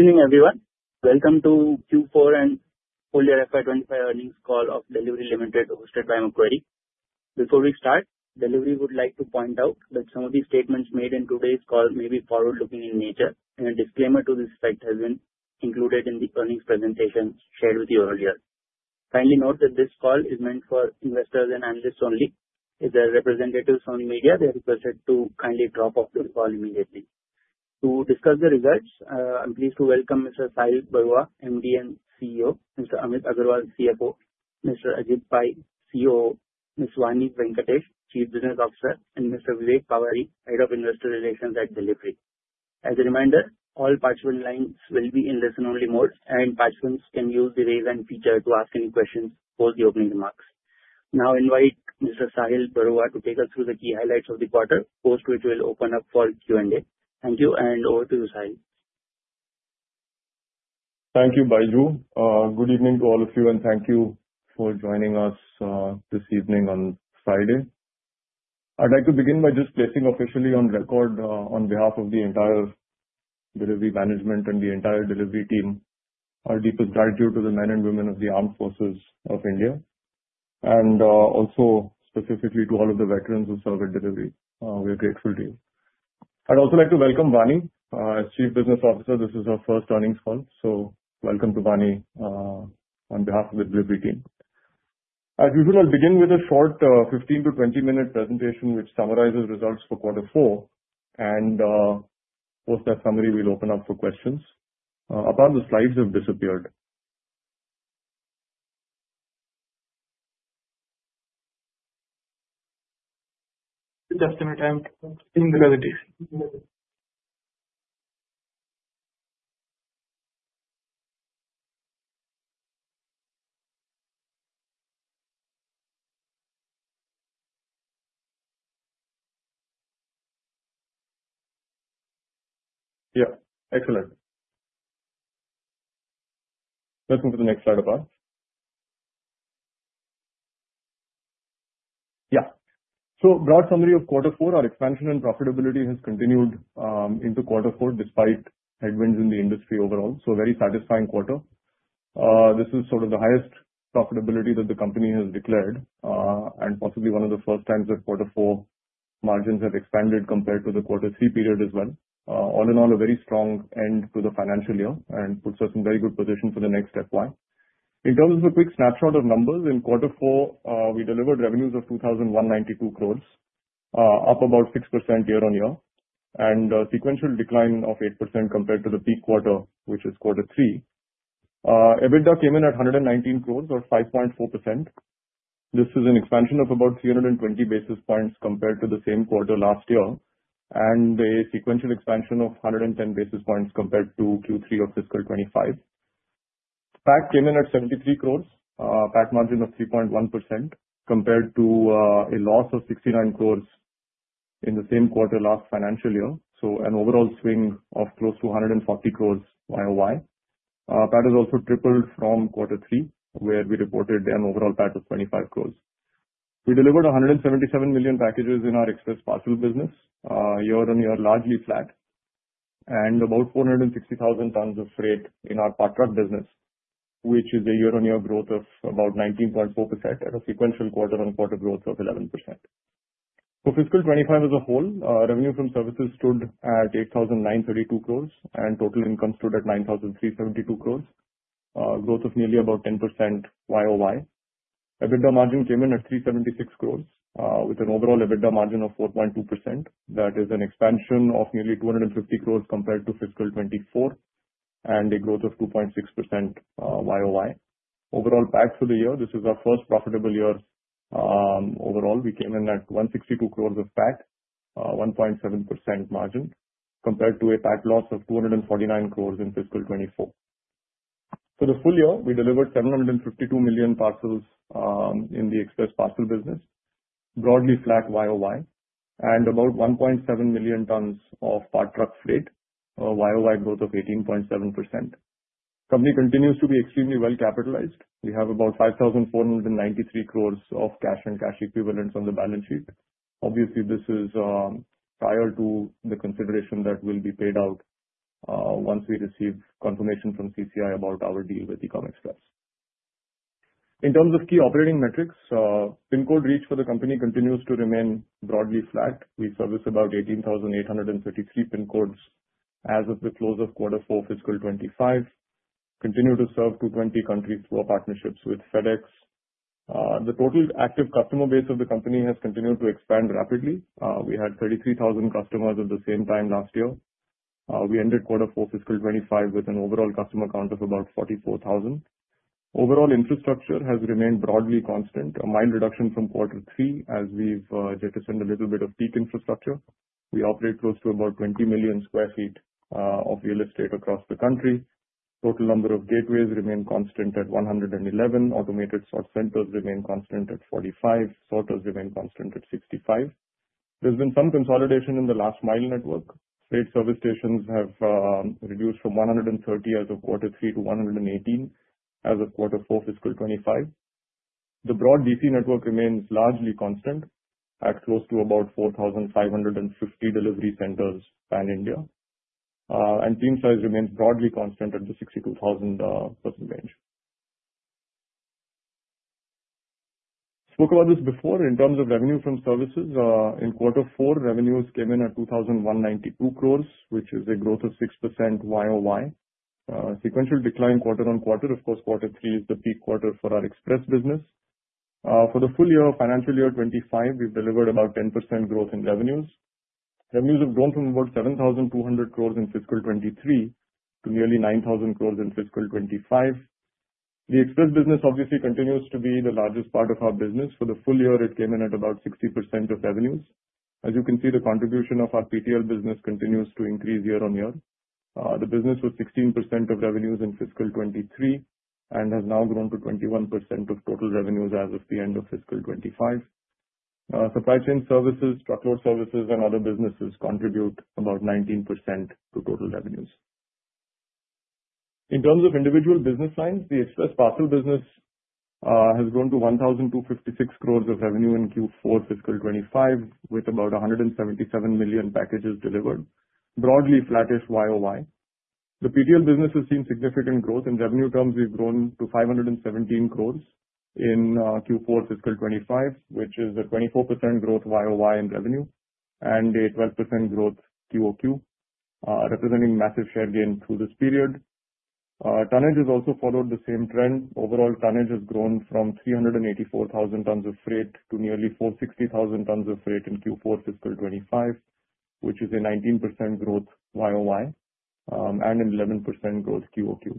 Good evening, everyone. Welcome to Q4 and FY25 earnings call of Delhivery Limited, hosted by Macquarie. Before we start, Delhivery would like to point out that some of the statements made in today's call may be forward-looking in nature, and a disclaimer to this effect has been included in the earnings presentation shared with you earlier. Kindly note that this call is meant for investors and analysts only. If there are representatives from the media, they are requested to kindly drop off the call immediately. To discuss the results, I'm pleased to welcome Mr. Sahil Barua, MD and CEO; Mr. Amit Agarwal, CFO; Mr. Ajith Pai, COO; Ms. Vani Venkatesh, Chief Business Officer; and Mr. Vivek Pabari, Head of Investor Relations at Delhivery. As a reminder, all participating lines will be in listen-only mode, and participants can use the raise hand feature to ask any questions post the opening remarks. Now, I invite Mr. Sahil Barua to take us through the key highlights of the quarter, post which we'll open up for Q&A. Thank you, and over to you, Sahil. Thank you, Baiju. Good evening to all of you, and thank you for joining us this evening on Friday. I'd like to begin by just placing officially on record, on behalf of the entire Delhivery management and the entire Delhivery team, our deepest gratitude to the men and women of the Armed Forces of India, and also specifically to all of the veterans who serve at Delhivery. We are grateful to you. I'd also like to welcome Vani. As Chief Business Officer, this is our first earnings call, so welcome to Vani on behalf of the Delhivery team. As usual, I'll begin with a short 15-20 minute presentation which summarizes results for Quarter 4, and post that summary, we'll open up for questions. About the slides have disappeared. Just a minute, I'm seeing the presentation. Yeah, excellent. Let's move to the next slide, Apar. Yeah. So broad summary of Quarter 4, our expansion and profitability has continued into Quarter 4 despite headwinds in the industry overall. So very satisfying quarter. This is sort of the highest profitability that the company has declared, and possibly one of the first times that Quarter 4 margins have expanded compared to the Quarter 3 period as well. All in all, a very strong end to the financial year and puts us in very good position for the next FY. In terms of a quick snapshot of numbers, in Quarter 4, we delivered revenues of 2,192 crore, up about 6% year-on-year, and a sequential decline of 8% compared to the peak quarter, which is Quarter 3. EBITDA came in at 119 crore, or 5.4%. This is an expansion of about 320 basis points compared to the same quarter last year, and a sequential expansion of 110 basis points compared to Q3 of fiscal 2025. PAT came in at 73 crore, a PAT margin of 3.1%, compared to a loss of 69 crore in the same quarter last financial year, so an overall swing of close to 140 crore year-on-year. PAT has also tripled from Quarter 3, where we reported an overall PAT of 25 crore. We delivered 177 million packages in our Express Parcel business. Year-on-year, largely flat, and about 460,000 tons of freight in our Part Truckload business, which is a year-on-year growth of about 19.4% and a sequential quarter-on-quarter growth of 11%. For fiscal 2025 as a whole, revenue from services stood at 8,932 crore, and total income stood at 9,372 crore, a growth of nearly about 10% year-on-year. EBITDA margin came in at 376 crore, with an overall EBITDA margin of 4.2%. That is an expansion of nearly 250 crore compared to fiscal 2024, and a growth of 2.6% YoY. Overall PAT for the year, this is our first profitable year. Overall, we came in at 162 crore of PAT, a 1.7% margin, compared to a PAT loss of 249 crore in fiscal 2024. For the full year, we delivered 752 million parcels in the Express Parcel business, broadly flat YoY, and about 1.7 million tons of Part Truckload freight, a YoY growth of 18.7%. Company continues to be extremely well-capitalized. We have about 5,493 crore of cash and cash equivalents on the balance sheet. Obviously, this is prior to the consideration that will be paid out once we receive confirmation from CCI about our deal with Ecom Express. In terms of key operating metrics, PIN code reach for the company continues to remain broadly flat. We service about 18,833 PIN codes as of the close of Quarter 4, fiscal 2025. Continue to serve 220 countries through our partnerships with FedEx. The total active customer base of the company has continued to expand rapidly. We had 33,000 customers at the same time last year. We ended Quarter 4, fiscal 2025, with an overall customer count of about 44,000. Overall infrastructure has remained broadly constant, a mild reduction from Quarter 3, as we've jettisoned a little bit of peak infrastructure. We operate close to about 20 million sq ft of real estate across the country. Total number of gateways remained constant at 111. Automated sort centers remain constant at 45. Sorters remain constant at 65. There's been some consolidation in the last mile network. Freight service stations have reduced from 130 as of Q3 to 118 as of Q4, fiscal 2025. The broad DC network remains largely constant, at close to about 4,550 delivery centers pan-India, and team size remains broadly constant at the 62,000 person range. Spoke about this before. In terms of revenue from services, in Q4, revenues came in at 2,192 crore, which is a growth of 6% YoY. Sequential decline quarter on quarter. Of course, Q3 is the peak quarter for our express business. For the full year, financial year 2025, we've delivered about 10% growth in revenues. Revenues have grown from about 7,200 crore in fiscal 2023 to nearly 9,000 crore in fiscal 2025. The express business obviously continues to be the largest part of our business. For the full year, it came in at about 60% of revenues. As you can see, the contribution of our PTL business continues to increase year-on-year. The business was 16% of revenues in fiscal 2023 and has now grown to 21% of total revenues as of the end of fiscal 2025. Supply Chain Services, Truckload Services, and other businesses contribute about 19% to total revenues. In terms of individual business lines, the Express Parcel business has grown to 1,256 crore of revenue in Q4, fiscal 2025, with about 177 million packages delivered, broadly flattish YoY. The PTL business has seen significant growth. In revenue terms, we've grown to 517 crore in Q4, fiscal 2025, which is a 24% growth YoY in revenue and a 12% growth QOQ, representing massive share gain through this period. Tonnage has also followed the same trend. Overall, tonnage has grown from 384,000 tons of freight to nearly 460,000 tons of freight in Q4, fiscal 2025, which is a 19% growth YoY and an 11% growth QOQ.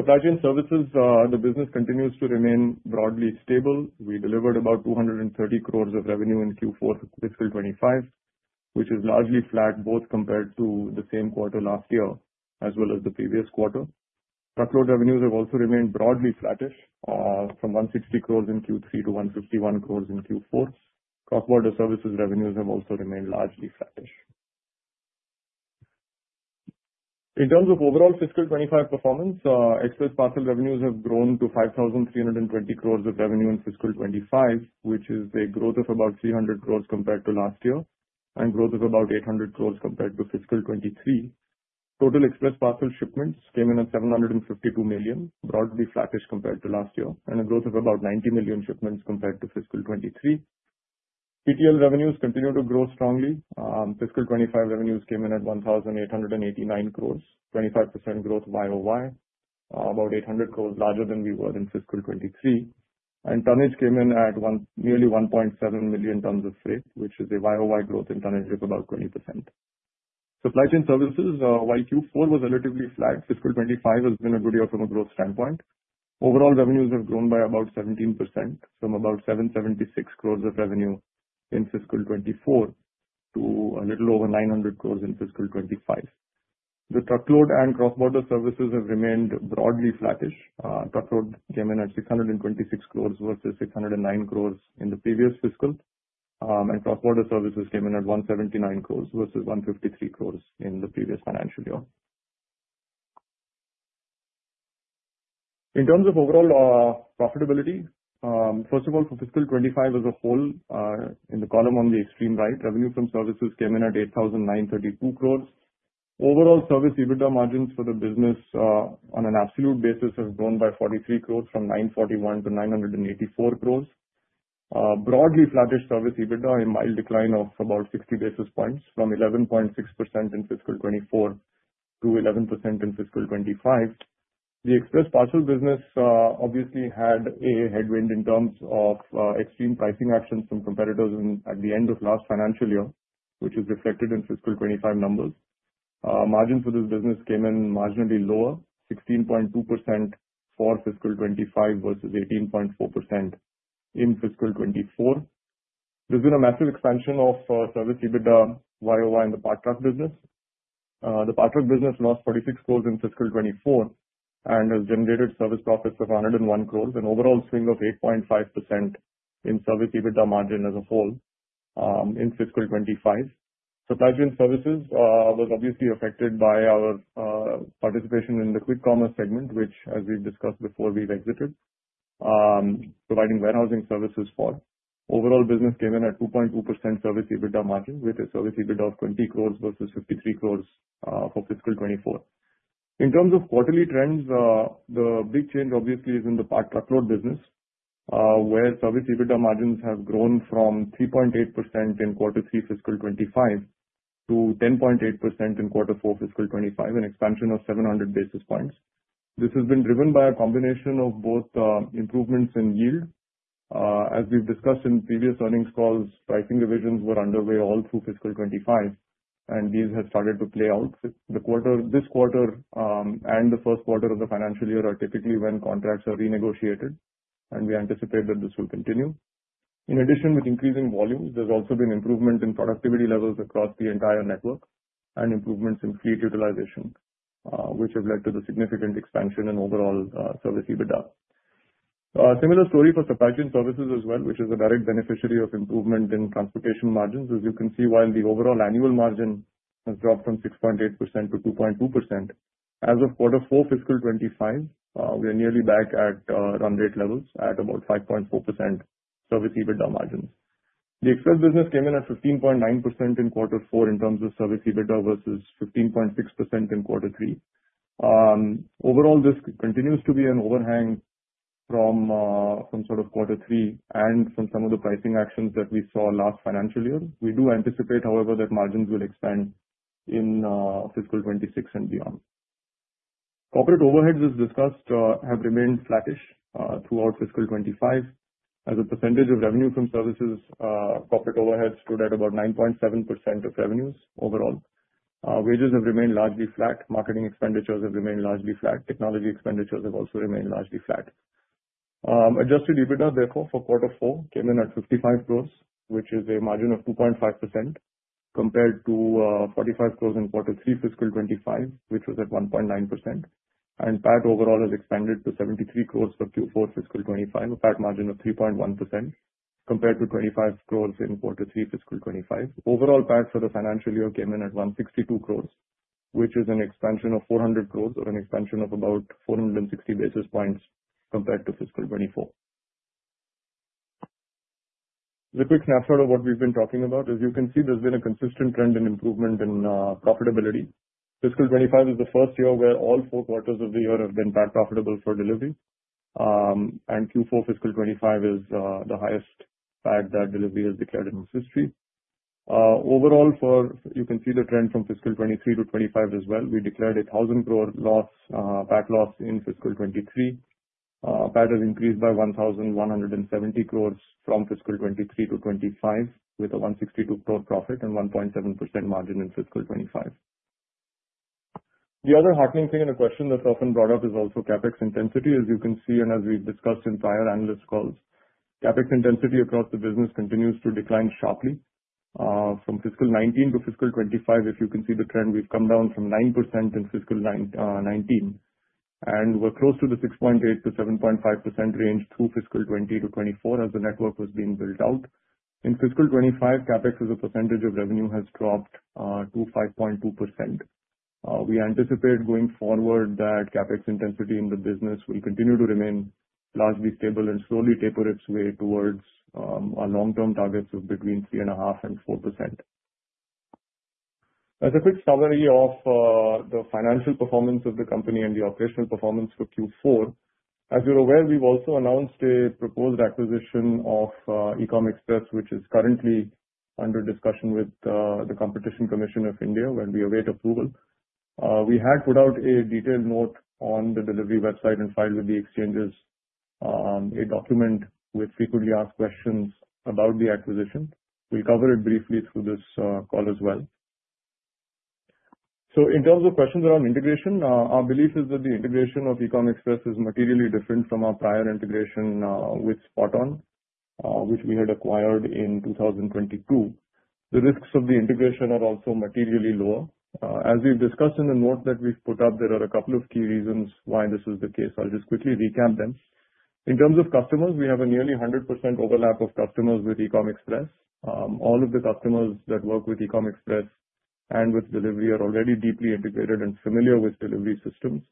Supply Chain Services, the business continues to remain broadly stable. We delivered about 2.3 billion of revenue in Q4, fiscal 2025, which is largely flat, both compared to the same quarter last year as well as the previous quarter. Truckload revenues have also remained broadly flattish, from 1.6 billion in Q3 to 1.51 billion in Q4. Cross-border Services revenues have also remained largely flattish. In terms of overall fiscal 2025 performance, Express Parcel revenues have grown to 53.2 billion of revenue in fiscal 2025, which is a growth of about 3 billion compared to last year and a growth of about 8 billion compared to fiscal 2023. Total Express Parcel shipments came in at 752 million, broadly flattish compared to last year, and a growth of about 90 million shipments compared to fiscal 2023. PTL revenues continue to grow strongly. Fiscal 2025 revenues came in at 1,889 crore, 25% growth YoY, about 800 crore larger than we were in fiscal 2023. And tonnage came in at nearly 1.7 million tons of freight, which is a YoY growth in tonnage of about 20%. Supply Chain Services, while Q4 was relatively flat, fiscal 2025 has been a good year from a growth standpoint. Overall, revenues have grown by about 17%, from about 776 crore of revenue in fiscal 2024 to a little over 900 crore in fiscal 2025. The Truckload and Cross-border Services have remained broadly flattish. Truckload came in at 626 crore versus 609 crore in the previous fiscal, and cross-border services came in at 179 crore versus 153 crore in the previous financial year. In terms of overall profitability, first of all, for fiscal 2025 as a whole, in the column on the extreme right, revenue from services came in at 8,932 crore. Overall service EBITDA margins for the business, on an absolute basis, have grown by 43 crore, from 941 crore to 984 crore. Broadly flattish service EBITDA, a mild decline of about 60 basis points, from 11.6% in fiscal 2024 to 11% in fiscal 2025. The Express Parcel business obviously had a headwind in terms of extreme pricing actions from competitors at the end of last financial year, which is reflected in fiscal 2025 numbers. Margins for this business came in marginally lower, 16.2% for fiscal 2025 versus 18.4% in fiscal 2024. There's been a massive expansion of service EBITDA YoY in the Part Truckload business. The Part Truckload business lost 460 million in fiscal 2024 and has generated service profits of 1.01 billion, an overall swing of 8.5% in service EBITDA margin as a whole in fiscal 2025. Supply Chain Services was obviously affected by our participation in the Rapid Commerce segment, which, as we've discussed before, we've exited, providing warehousing services for. Overall, business came in at 2.2% service EBITDA margin, with a service EBITDA of 200 million versus 530 million for fiscal 2024. In terms of quarterly trends, the big change obviously is in the Part Truckload business, where service EBITDA margins have grown from 3.8% in Quarter 3, fiscal 2025, to 10.8% in Quarter 4, fiscal 2025, an expansion of 700 basis points. This has been driven by a combination of both improvements in yield. As we've discussed in previous earnings calls, pricing revisions were underway all through fiscal 2025, and these have started to play out. This quarter and the first quarter of the financial year are typically when contracts are renegotiated, and we anticipate that this will continue. In addition, with increasing volumes, there's also been improvement in productivity levels across the entire network and improvements in fleet utilization, which have led to the significant expansion in overall service EBITDA. Similar story for Supply Chain Services as well, which is a direct beneficiary of improvement in transportation margins. As you can see, while the overall annual margin has dropped from 6.8% to 2.2%, as of Q4 fiscal 2025, we're nearly back at run rate levels at about 5.4% service EBITDA margins. The Express Parcel business came in at 15.9% in Q4 in terms of service EBITDA versus 15.6% in Q3. Overall, this continues to be an overhang from sort of Quarter 3 and from some of the pricing actions that we saw last financial year. We do anticipate, however, that margins will expand in fiscal 2026 and beyond. Corporate overheads as discussed have remained flattish throughout fiscal 2025. As a percentage of revenue from services, corporate overheads stood at about 9.7% of revenues overall. Wages have remained largely flat. Marketing expenditures have remained largely flat. Technology expenditures have also remained largely flat. Adjusted EBITDA, therefore, for Quarter 4 came in at 55 crore, which is a margin of 2.5%, compared to 45 crore in Quarter 3, fiscal 2025, which was at 1.9%. PAT overall has expanded to 73 crore for Q4, fiscal 2025, a PAT margin of 3.1%, compared to 25 crore in Quarter 3, fiscal 2025. Overall PAT for the financial year came in at 162 crore, which is an expansion of 400 crore or an expansion of about 460 basis points compared to fiscal 2024. The quick snapshot of what we've been talking about is you can see there's been a consistent trend in improvement in profitability. Fiscal 2025 is the first year where all four quarters of the year have been PAT profitable for Delhivery, and Q4, fiscal 2025 is the highest PAT that Delhivery has declared in its history. Overall, you can see the trend from fiscal 2023 to 2025 as well. We declared a 1,000 crore PAT loss in fiscal 2023. PAT has increased by 1,170 crore from fiscal 2023 to 2025, with a 162 crore profit and 1.7% margin in fiscal 2025. The other heartening thing in a question that's often brought up is also CapEx intensity. As you can see, and as we've discussed in prior analyst calls, CapEx intensity across the business continues to decline sharply. From fiscal 2019 to fiscal 2025, if you can see the trend, we've come down from 9% in fiscal 2019 and were close to the 6.8%-7.5% range through fiscal 2020 to 2024 as the network was being built out. In fiscal 2025, CapEx as a percentage of revenue has dropped to 5.2%. We anticipate going forward that CapEx intensity in the business will continue to remain largely stable and slowly taper its way towards our long-term targets of between 3.5% and 4%. As a quick summary of the financial performance of the company and the operational performance for Q4, as you're aware, we've also announced a proposed acquisition of Ecom Express, which is currently under discussion with the Competition Commission of India when we await approval. We had put out a detailed note on the Delhivery website and filed with the exchanges a document with frequently asked questions about the acquisition. We'll cover it briefly through this call as well. In terms of questions around integration, our belief is that the integration of Ecom Express is materially different from our prior integration with SpotOn, which we had acquired in 2022. The risks of the integration are also materially lower. As we've discussed in the note that we've put up, there are a couple of key reasons why this is the case. I'll just quickly recap them. In terms of customers, we have a nearly 100% overlap of customers with Ecom Express. All of the customers that work with Ecom Express and with Delhivery are already deeply integrated and familiar with Delhivery systems.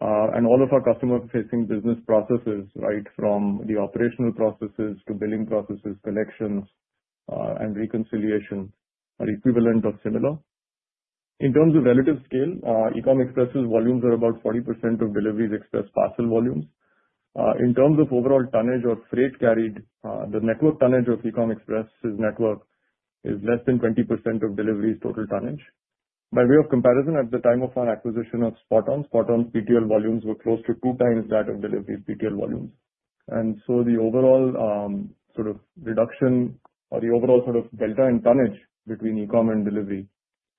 All of our customer-facing business processes, right from the operational processes to billing processes, collections, and reconciliation, are equivalent or similar. In terms of relative scale, Ecom Express's volumes are about 40% of Delhivery's Express Parcel volumes. In terms of overall tonnage or freight carried, the network tonnage of Ecom Express's network is less than 20% of Delhivery's total tonnage. By way of comparison, at the time of our acquisition of SpotOn, SpotOn's PTL volumes were close to two times that of Delhivery PTL volumes. The overall sort of reduction or the overall sort of delta in tonnage between Ecom Express and Delhivery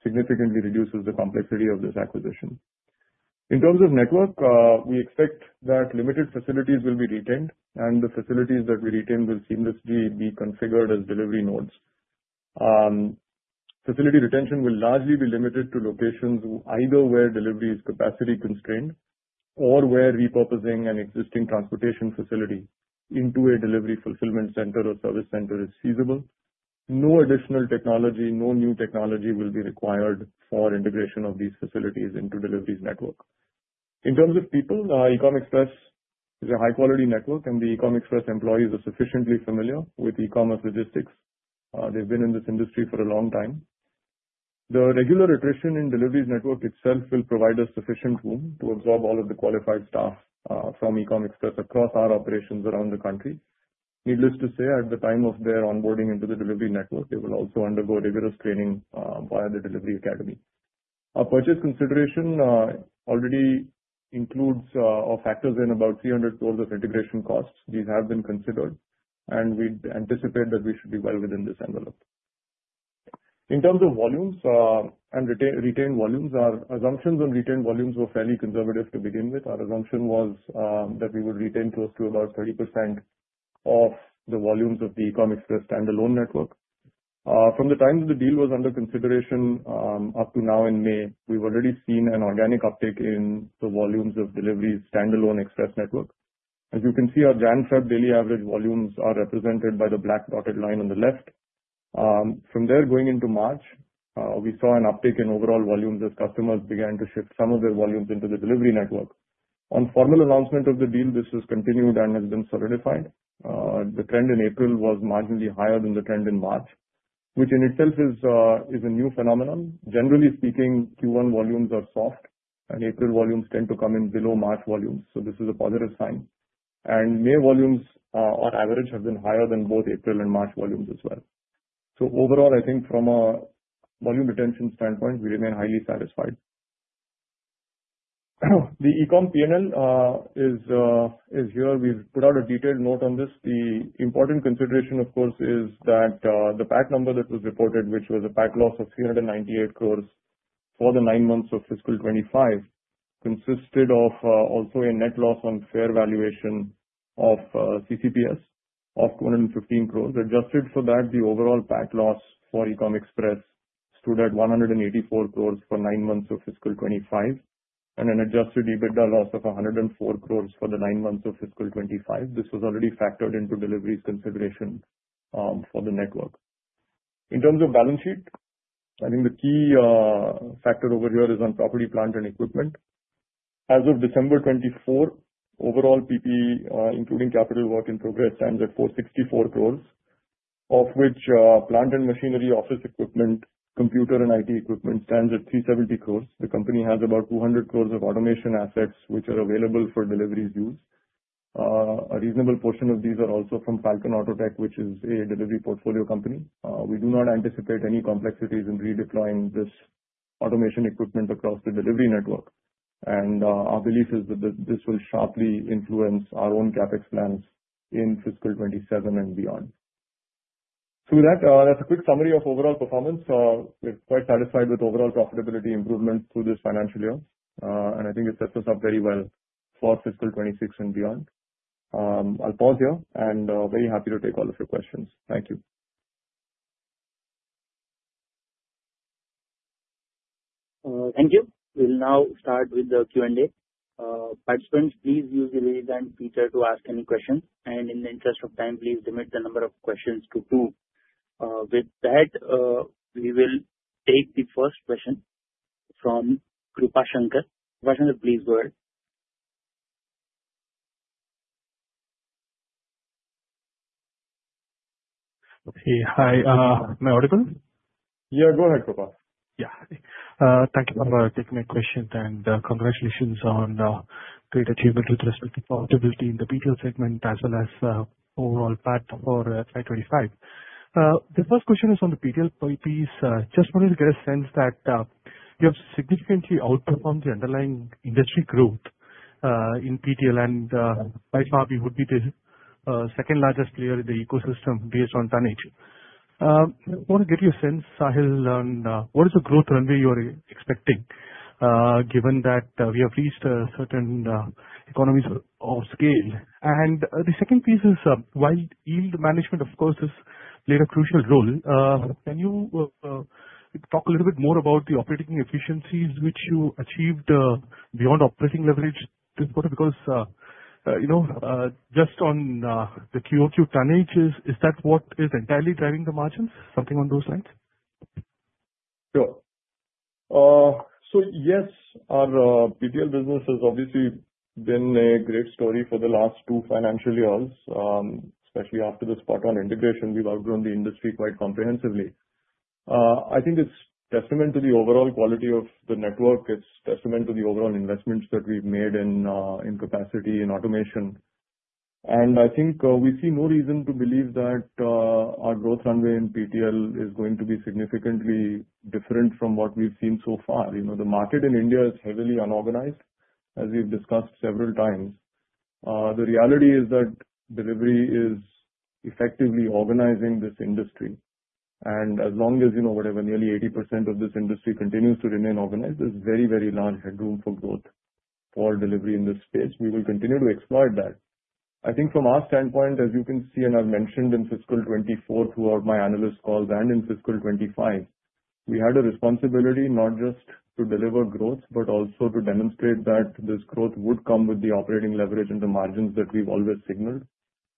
significantly reduces the complexity of this acquisition. In terms of network, we expect that limited facilities will be retained, and the facilities that we retain will seamlessly be configured as Delhivery nodes. Facility retention will largely be limited to locations either where Delhivery is capacity constrained or where repurposing an existing transportation facility into a Delhivery fulfillment center or service center is feasible. No additional technology, no new technology will be required for integration of these facilities into Delhivery's network. In terms of people, Ecom Express is a high-quality network, and the Ecom Express employees are sufficiently familiar with e-commerce logistics. They've been in this industry for a long time. The regular attrition in Delhivery's network itself will provide us sufficient room to absorb all of the qualified staff from Ecom Express across our operations around the country. Needless to say, at the time of their onboarding into the Delhivery network, they will also undergo rigorous training via the Delhivery academy. Our purchase consideration already includes or factors in about 300 crore of integration costs. These have been considered, and we anticipate that we should be well within this envelope. In terms of volumes and retained volumes, our assumptions on retained volumes were fairly conservative to begin with. Our assumption was that we would retain close to about 30% of the volumes of the Ecom Express standalone network. From the time that the deal was under consideration up to now in May, we've already seen an organic uptick in the volumes of Delhivery's standalone Express Parcel network. As you can see, our January-February daily average volumes are represented by the black dotted line on the left. From there, going into March, we saw an uptick in overall volumes as customers began to shift some of their volumes into the Delhivery network. On formal announcement of the deal, this has continued and has been solidified. The trend in April was marginally higher than the trend in March, which in itself is a new phenomenon. Generally speaking, Q1 volumes are soft, and April volumes tend to come in below March volumes. This is a positive sign. May volumes, on average, have been higher than both April and March volumes as well. Overall, I think from a volume retention standpoint, we remain highly satisfied. The Ecom P&L is here. We've put out a detailed note on this. The important consideration, of course, is that the PAT number that was reported, which was a PAT loss of 398 crore for the nine months of fiscal 2025, consisted of also a net loss on fair valuation of CCPS of 215 crore. Adjusted for that, the overall PAT loss for Ecom Express stood at 184 crore for nine months of fiscal 2025 and an adjusted EBITDA loss of 104 crore for the nine months of fiscal 2025. This was already factored into Delhivery's consideration for the network. In terms of balance sheet, I think the key factor over here is on property, plant, and equipment. As of December 2024, overall PP&E, including capital work in progress, stands at 464 crore, of which plant and machinery, office equipment, computer, and IT equipment stands at 370 crore. The company has about 200 crore of automation assets which are available for Delhivery's use. A reasonable portion of these are also from Falcon Autotech, which is a Delhivery portfolio company. We do not anticipate any complexities in redeploying this automation equipment across the Delhivery network. Our belief is that this will sharply influence our own CapEx plans in fiscal 2027 and beyond. That is a quick summary of overall performance. We are quite satisfied with overall profitability improvement through this financial year, and I think it sets us up very well for fiscal 2026 and beyond. I will pause here and am very happy to take all of your questions. Thank you. Thank you. We will now start with the Q&A. Participants, please use the raise hand feature to ask any questions. In the interest of time, please limit the number of questions to two. With that, we will take the first question from Krupashankar. Krupashankar, please go ahead. Okay. Hi. Am I audible? Yeah, go ahead, Krupash. Yeah. Thank you for taking my question and congratulations on great achievement with respect to profitability in the PTL segment as well as overall PAT for 2025. The first question is on the PTL piece. Just wanted to get a sense that you have significantly outperformed the underlying industry growth in PTL, and by far, we would be the second largest player in the ecosystem based on tonnage. I want to get you a sense, Sahil, on what is the growth runway you are expecting, given that we have reached a certain economies of scale. The second piece is while yield management, of course, has played a crucial role, can you talk a little bit more about the operating efficiencies which you achieved beyond operating leverage this quarter? Because just on the QOQ tonnage, is that what is entirely driving the margins? Something on those lines? Sure. Yes, our PTL business has obviously been a great story for the last two financial years, especially after the SpotOn integration. We have outgrown the industry quite comprehensively. I think it's testament to the overall quality of the network. It's testament to the overall investments that we've made in capacity and automation. I think we see no reason to believe that our growth runway in PTL is going to be significantly different from what we've seen so far. The market in India is heavily unorganized, as we've discussed several times. The reality is that Delhivery is effectively organizing this industry. As long as whatever nearly 80% of this industry continues to remain unorganized, there's very, very large headroom for growth for Delhivery in this space. We will continue to exploit that. I think from our standpoint, as you can see and I've mentioned in fiscal 2024 throughout my analyst calls and in fiscal 2025, we had a responsibility not just to deliver growth, but also to demonstrate that this growth would come with the operating leverage and the margins that we've always signaled.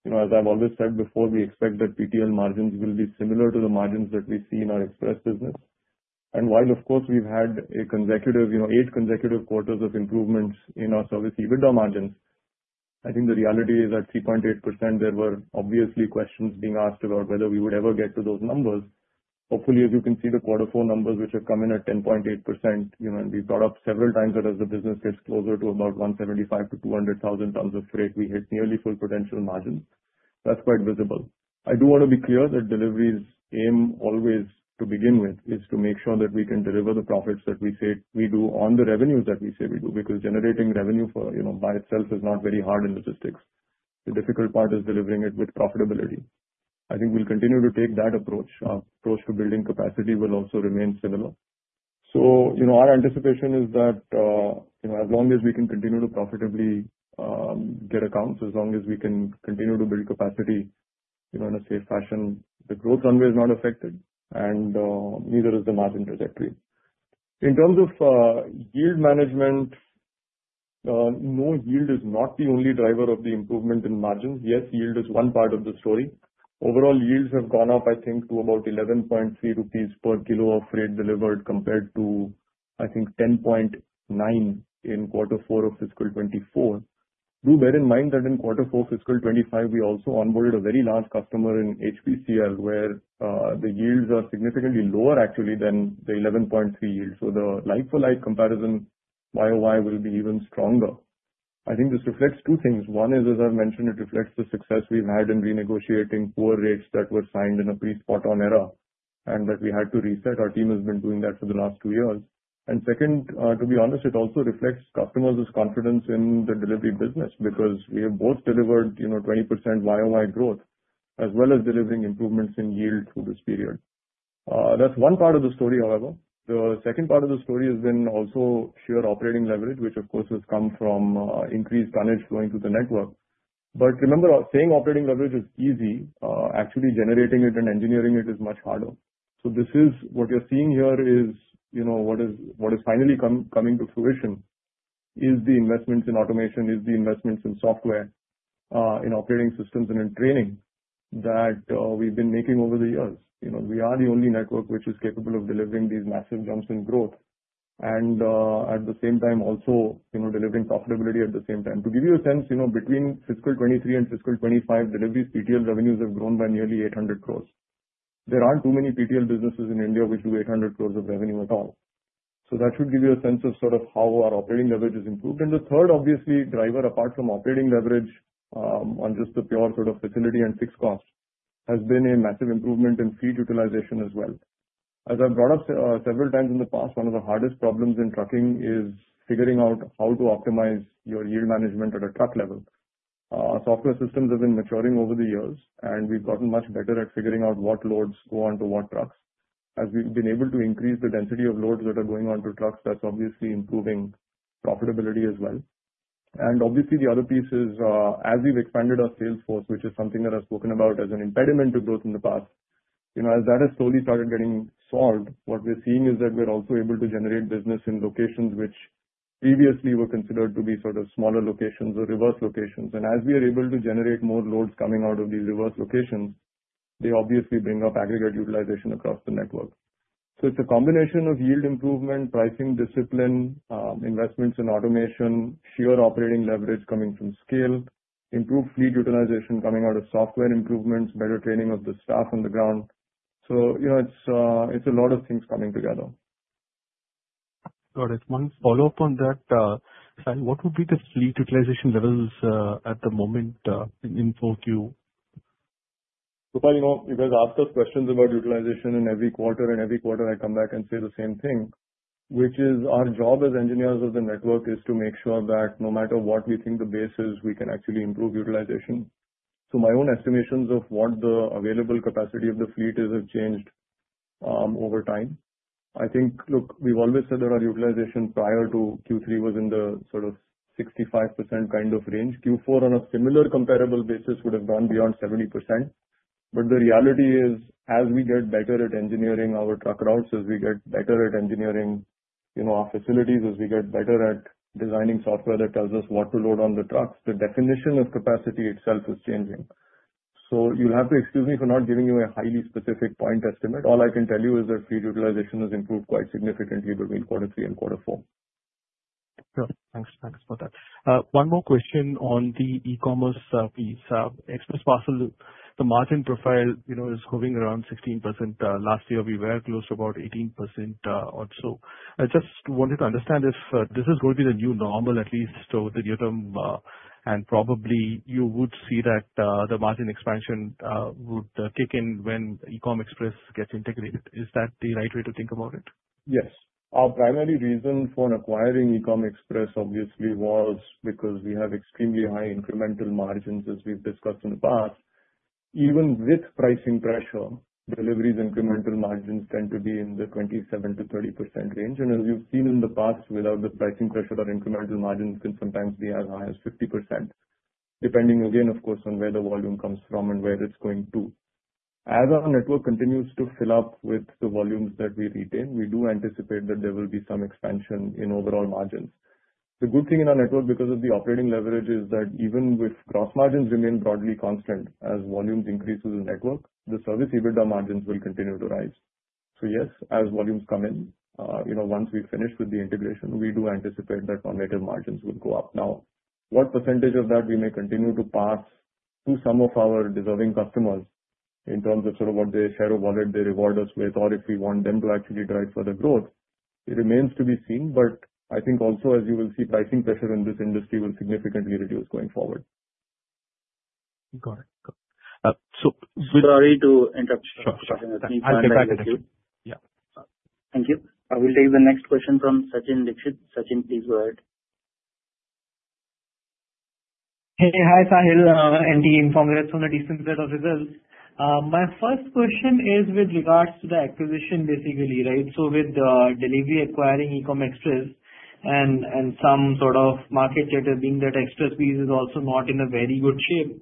As I've always said before, we expect that PTL margins will be similar to the margins that we see in our express business. While, of course, we've had eight consecutive quarters of improvements in our service EBITDA margins, I think the reality is at 3.8%, there were obviously questions being asked about whether we would ever get to those numbers. Hopefully, as you can see, the quarter four numbers which have come in at 10.8%, and we've brought up several times that as the business gets closer to about 175,000-200,000 tons of freight, we hit nearly full potential margins. That's quite visible. I do want to be clear that Delhivery's aim always to begin with is to make sure that we can deliver the profits that we say we do on the revenues that we say we do, because generating revenue by itself is not very hard in logistics. The difficult part is delivering it with profitability. I think we'll continue to take that approach. Our approach to building capacity will also remain similar. Our anticipation is that as long as we can continue to profitably get accounts, as long as we can continue to build capacity in a safe fashion, the growth runway is not affected, and neither is the margin trajectory. In terms of yield management, no, yield is not the only driver of the improvement in margins. Yes, yield is one part of the story. Overall, yields have gone up, I think, to about 11.3 rupees per kilo of freight delivered compared to, I think, 10.9 in quarter four of fiscal 2024. Do bear in mind that in quarter four of fiscal 2025, we also onboarded a very large customer in HPCL, where the yields are significantly lower actually than the 11.3 yield. The like-for-like comparison YoY will be even stronger. I think this reflects two things. One is, as I've mentioned, it reflects the success we've had in renegotiating poor rates that were signed in a pre-SpotOn era and that we had to reset. Our team has been doing that for the last two years. Second, to be honest, it also reflects customers' confidence in the Delhivery business, because we have both delivered 20% YoY growth as well as delivering improvements in yield through this period. That's one part of the story, however. The second part of the story has been also sheer operating leverage, which, of course, has come from increased tonnage flowing through the network. Remember, saying operating leverage is easy. Actually generating it and engineering it is much harder. What you are seeing here is what is finally coming to fruition: the investments in automation, the investments in software, in operating systems, and in training that we have been making over the years. We are the only network which is capable of delivering these massive jumps in growth and at the same time also delivering profitability at the same time. To give you a sense, between fiscal 2023 and fiscal 2025, Delhivery PTL revenues have grown by nearly 800 crore. There are not too many PTL businesses in India which do 800 crore of revenue at all. That should give you a sense of how our operating leverage has improved. The third, obviously, driver apart from operating leverage on just the pure facility and fixed cost has been a massive improvement in fleet utilization as well. As I've brought up several times in the past, one of the hardest problems in trucking is figuring out how to optimize your yield management at a truck level. Software systems have been maturing over the years, and we've gotten much better at figuring out what loads go onto what trucks. As we've been able to increase the density of loads that are going onto trucks, that's obviously improving profitability as well. The other piece is as we've expanded our sales force, which is something that I've spoken about as an impediment to growth in the past. As that has slowly started getting solved, what we're seeing is that we're also able to generate business in locations which previously were considered to be sort of smaller locations or reverse locations. As we are able to generate more loads coming out of these reverse locations, they obviously bring up aggregate utilization across the network. It is a combination of yield improvement, pricing discipline, investments in automation, sheer operating leverage coming from scale, improved fleet utilization coming out of software improvements, better training of the staff on the ground. It is a lot of things coming together. Got it. One follow-up on that. Sahil, what would be the fleet utilization levels at the moment in QOQ? Krupash, you guys ask us questions about utilization in every quarter, and every quarter I come back and say the same thing, which is our job as engineers of the network is to make sure that no matter what we think the base is, we can actually improve utilization. My own estimations of what the available capacity of the fleet is have changed over time. I think, look, we've always said that our utilization prior to Q3 was in the sort of 65% kind of range. Q4, on a similar comparable basis, would have gone beyond 70%. The reality is, as we get better at engineering our truck routes, as we get better at engineering our facilities, as we get better at designing software that tells us what to load on the trucks, the definition of capacity itself is changing. You'll have to excuse me for not giving you a highly specific point estimate. All I can tell you is that fleet utilization has improved quite significantly between quarter three and quarter four. Sure. Thanks for that. One more question on the e-commerce piece. Express Parcel, the margin profile is hovering around 16%. Last year, we were close to about 18% or so. I just wanted to understand if this is going to be the new normal, at least over the near term, and probably you would see that the margin expansion would kick in when Ecom Express gets integrated. Is that the right way to think about it? Yes. Our primary reason for acquiring Ecom Express, obviously, was because we have extremely high incremental margins, as we've discussed in the past. Even with pricing pressure, Delhivery's incremental margins tend to be in the 27-30% range. As you've seen in the past, without the pricing pressure, our incremental margins can sometimes be as high as 50%, depending, again, of course, on where the volume comes from and where it's going to. As our network continues to fill up with the volumes that we retain, we do anticipate that there will be some expansion in overall margins. The good thing in our network, because of the operating leverage, is that even if gross margins remain broadly constant as volumes increase through the network, the service EBITDA margins will continue to rise. Yes, as volumes come in, once we finish with the integration, we do anticipate that our net margins will go up. Now, what percentage of that we may continue to pass to some of our deserving customers in terms of sort of what their share of wallet they reward us with, or if we want them to actually drive further growth, it remains to be seen. I think also, as you will see, pricing pressure in this industry will significantly reduce going forward. Got it. Sorry to interrupt, Sahil, for talking at the same time. I'm excited. Yeah. Thank you. I will take the next question from Sachin Dixit. Sachin, please go ahead. Hey, hi Sahil. And team, congrats on the decent set of results. My first question is with regards to the acquisition, basically, right? With Delhivery acquiring Ecom Express and some sort of market jitter being that Express Parcel is also not in a very good shape,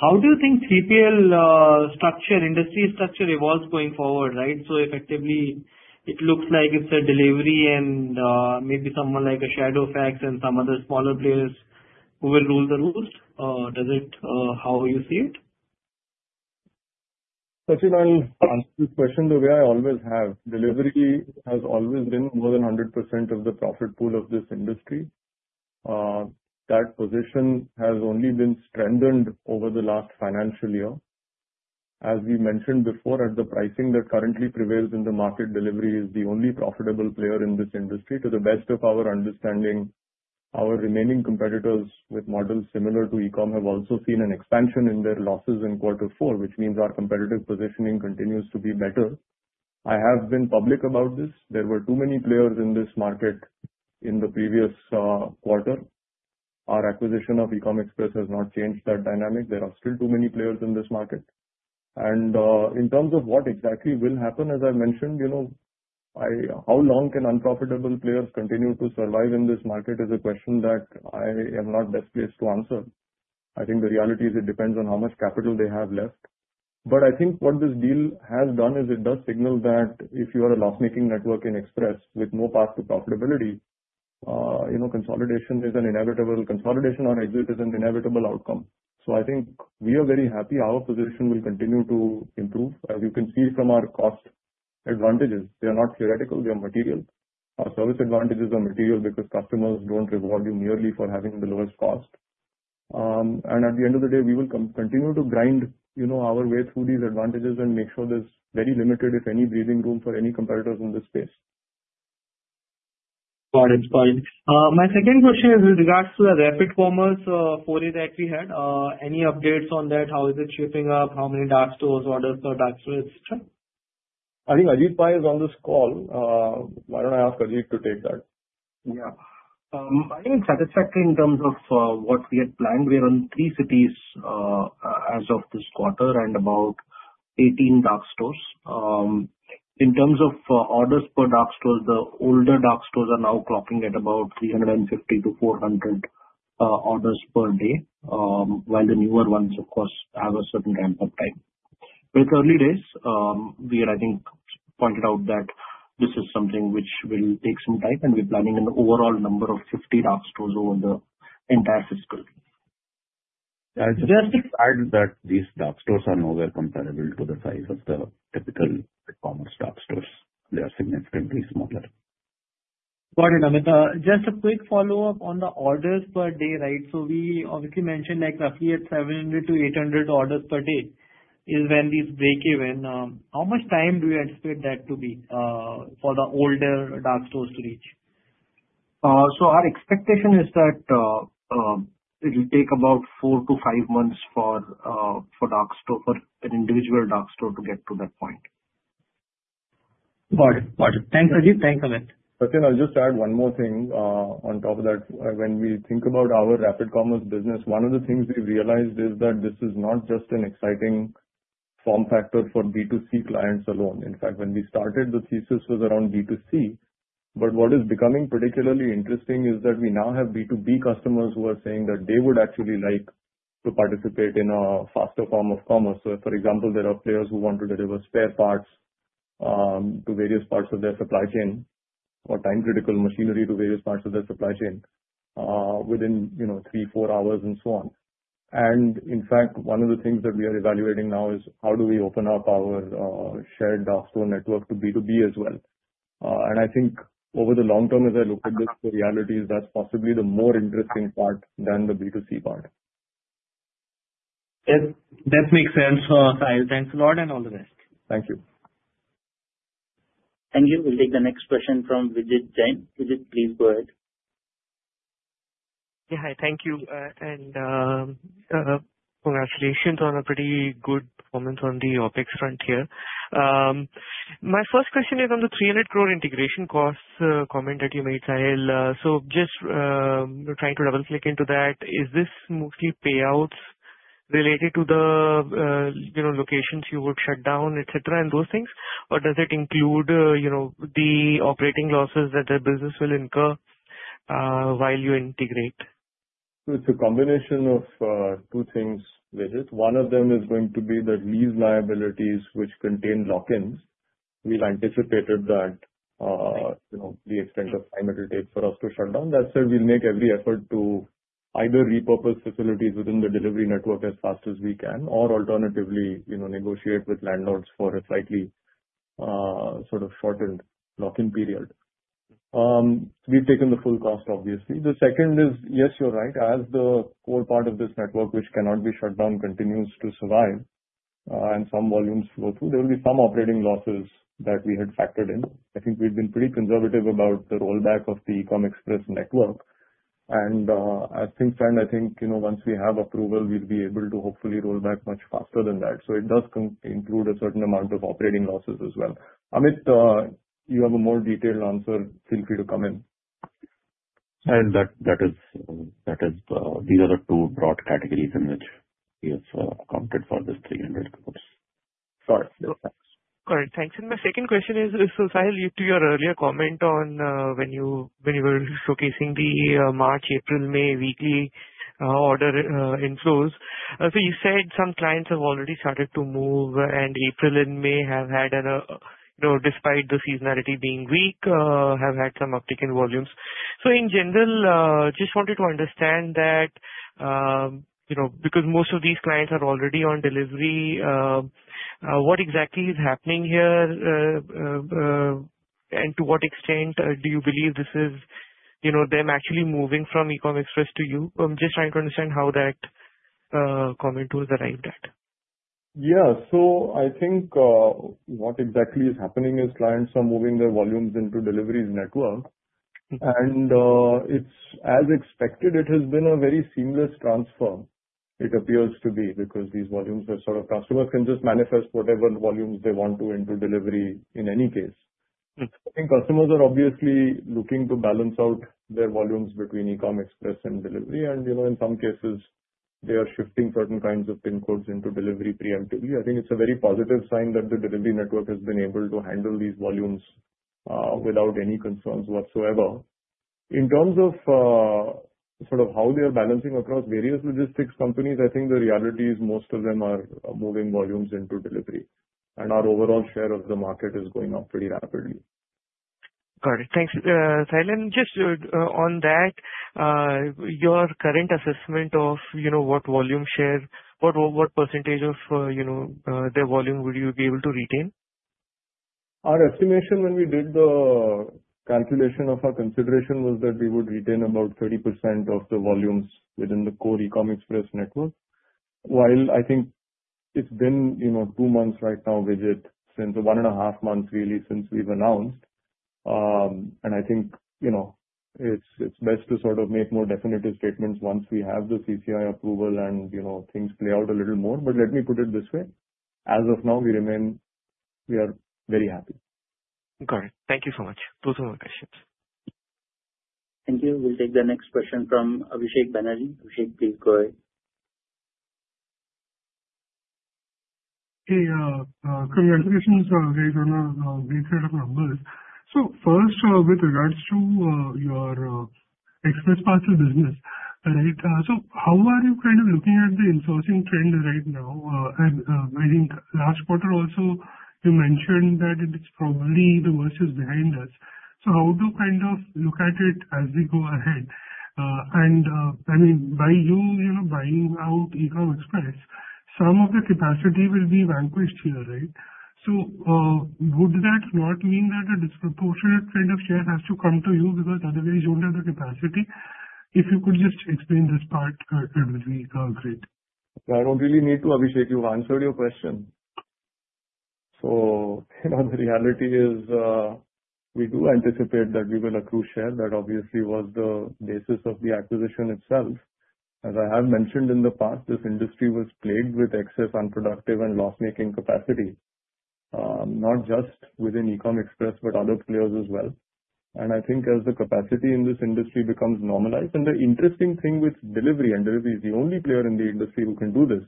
how do you think PTL structure, industry structure evolves going forward, right? Effectively, it looks like it's Delhivery and maybe someone like a Shadowfax and some other smaller players who will rule the rules. How do you see it? Sachin, on this question, the way I always have, Delhivery has always been more than 100% of the profit pool of this industry. That position has only been strengthened over the last financial year. As we mentioned before, at the pricing that currently prevails in the market, Delhivery is the only profitable player in this industry. To the best of our understanding, our remaining competitors with models similar to Ecom Express have also seen an expansion in their losses in quarter four, which means our competitive positioning continues to be better. I have been public about this. There were too many players in this market in the previous quarter. Our acquisition of Ecom Express has not changed that dynamic. There are still too many players in this market. In terms of what exactly will happen, as I have mentioned, how long can unprofitable players continue to survive in this market is a question that I am not best placed to answer. I think the reality is it depends on how much capital they have left. I think what this deal has done is it does signal that if you are a loss-making network in Express with no path to profitability, consolidation is inevitable. Consolidation or exit is an inevitable outcome. I think we are very happy our position will continue to improve. As you can see from our cost advantages, they are not theoretical. They are material. Our service advantages are material because customers do not reward you merely for having the lowest cost. At the end of the day, we will continue to grind our way through these advantages and make sure there is very limited, if any, breathing room for any competitors in this space. Got it. Got it. My second question is with regards to the rapid commerce foray that we had. Any updates on that? How is it shaping up? How many dark stores? Orders per dark store, etc.? I think Ajith Pai is on this call. Why don't I ask Ajith to take that? Yeah. I think it's satisfactory in terms of what we had planned. We are on three cities as of this quarter and about 18 dark stores. In terms of orders per dark store, the older dark stores are now clocking at about 350-400 orders per day, while the newer ones, of course, have a certain ramp-up time. It is early days. We had, I think, pointed out that this is something which will take some time, and we're planning an overall number of 50 dark stores over the entire fiscal year. Just the fact that these dark stores are nowhere comparable to the size of the typical e-commerce dark stores. They are significantly smaller. Got it. Amit, just a quick follow-up on the orders per day, right? We obviously mentioned roughly at 700-800 orders per day is when these break even. How much time do you anticipate that to be for the older dark stores to reach? Our expectation is that it will take about four to five months for an individual dark store to get to that point. Got it. Got it. Thanks, Ajith. Thanks, Amit. Sachin, I'll just add one more thing on top of that. When we think about our rapid commerce business, one of the things we've realized is that this is not just an exciting form factor for B2C clients alone. In fact, when we started, the thesis was around B2C. What is becoming particularly interesting is that we now have B2B customers who are saying that they would actually like to participate in a faster form of commerce. For example, there are players who want to deliver spare parts to various parts of their supply chain or time-critical machinery to various parts of their supply chain within three, four hours and so on. In fact, one of the things that we are evaluating now is how do we open up our shared dark store network to B2B as well. I think over the long term, as I look at this, the reality is that's possibly the more interesting part than the B2C part. That makes sense. Sahil, thanks a lot and all the best. Thank you. Thank you. We'll take the next question from Vijit Jain. Vijit, please go ahead. Yeah. Hi. Thank you. Congratulations on a pretty good performance on the OpEx front here. My first question is on the 300 crore integration cost comment that you made, Sahil. Just trying to double-click into that. Is this mostly payouts related to the locations you would shut down, etc., and those things? Or does it include the operating losses that the business will incur while you integrate? It is a combination of two things, Vijit. One of them is going to be the lease liabilities, which contain lock-ins. We have anticipated that the extent of time it will take for us to shut down. That said, we will make every effort to either repurpose facilities within the Delhivery network as fast as we can or alternatively negotiate with landlords for a slightly sort of shortened lock-in period. We have taken the full cost, obviously. The second is, yes, you are right. As the core part of this network, which cannot be shut down, continues to survive and some volumes flow through, there will be some operating losses that we had factored in. I think we've been pretty conservative about the rollback of the Ecom Express network. As things stand, I think once we have approval, we'll be able to hopefully roll back much faster than that. It does include a certain amount of operating losses as well. Amit, you have a more detailed answer. Feel free to come in. These are the two broad categories in which we have accounted for this 300 crore. Got it. Thanks. Got it. Thanks. My second question is, Sahil, to your earlier comment on when you were showcasing the March, April, May weekly order inflows. You said some clients have already started to move, and April and May have had, despite the seasonality being weak, some uptick in volumes. In general, just wanted to understand that because most of these clients are already on Delhivery, what exactly is happening here and to what extent do you believe this is them actually moving from Ecom Express to you? I'm just trying to understand how that comment was arrived at. Yeah. I think what exactly is happening is clients are moving their volumes into Delhivery's network. As expected, it has been a very seamless transfer, it appears to be, because these volumes are sort of customers can just manifest whatever volumes they want to into Delhivery in any case. I think customers are obviously looking to balance out their volumes between Ecom Express and Delhivery. In some cases, they are shifting certain kinds of PIN codes into Delhivery preemptively. I think it's a very positive sign that the Delhivery network has been able to handle these volumes without any concerns whatsoever. In terms of sort of how they are balancing across various logistics companies, I think the reality is most of them are moving volumes into Delhivery. Our overall share of the market is going up pretty rapidly. Got it. Thanks, Sahil. Just on that, your current assessment of what volume share, what percentage of their volume would you be able to retain? Our estimation when we did the calculation of our consideration was that we would retain about 30% of the volumes within the core Ecom Express network. While I think it's been two months right now, Vijit, since one and a half months really since we've announced. I think it's best to sort of make more definitive statements once we have the CCI approval and things play out a little more. Let me put it this way. As of now, we are very happy. Got it. Thank you so much. Those were my questions. Thank you. We'll take the next question from Abhisek Banerjee. Abhishek, please go ahead. Hey, good morning. Abhishek Banerjee, great to have you on board. First, with regards to your Express Parcel business, right? How are you kind of looking at the insourcing trend right now? I think last quarter also, you mentioned that probably the worst is behind us. How do you kind of look at it as we go ahead? I mean, by you buying out Ecom Express, some of the capacity will be vanquished here, right? Would that not mean that a disproportionate kind of share has to come to you because otherwise you will not have the capacity? If you could just explain this part, it would be great. I do not really need to, Abhishek. You have answered your question. The reality is we do anticipate that we will accrue share. That obviously was the basis of the acquisition itself. As I have mentioned in the past, this industry was plagued with excess, unproductive, and loss-making capacity, not just within Ecom Express, but other players as well. I think as the capacity in this industry becomes normalized and the interesting thing with Delhivery, and Delhivery is the only player in the industry who can do this,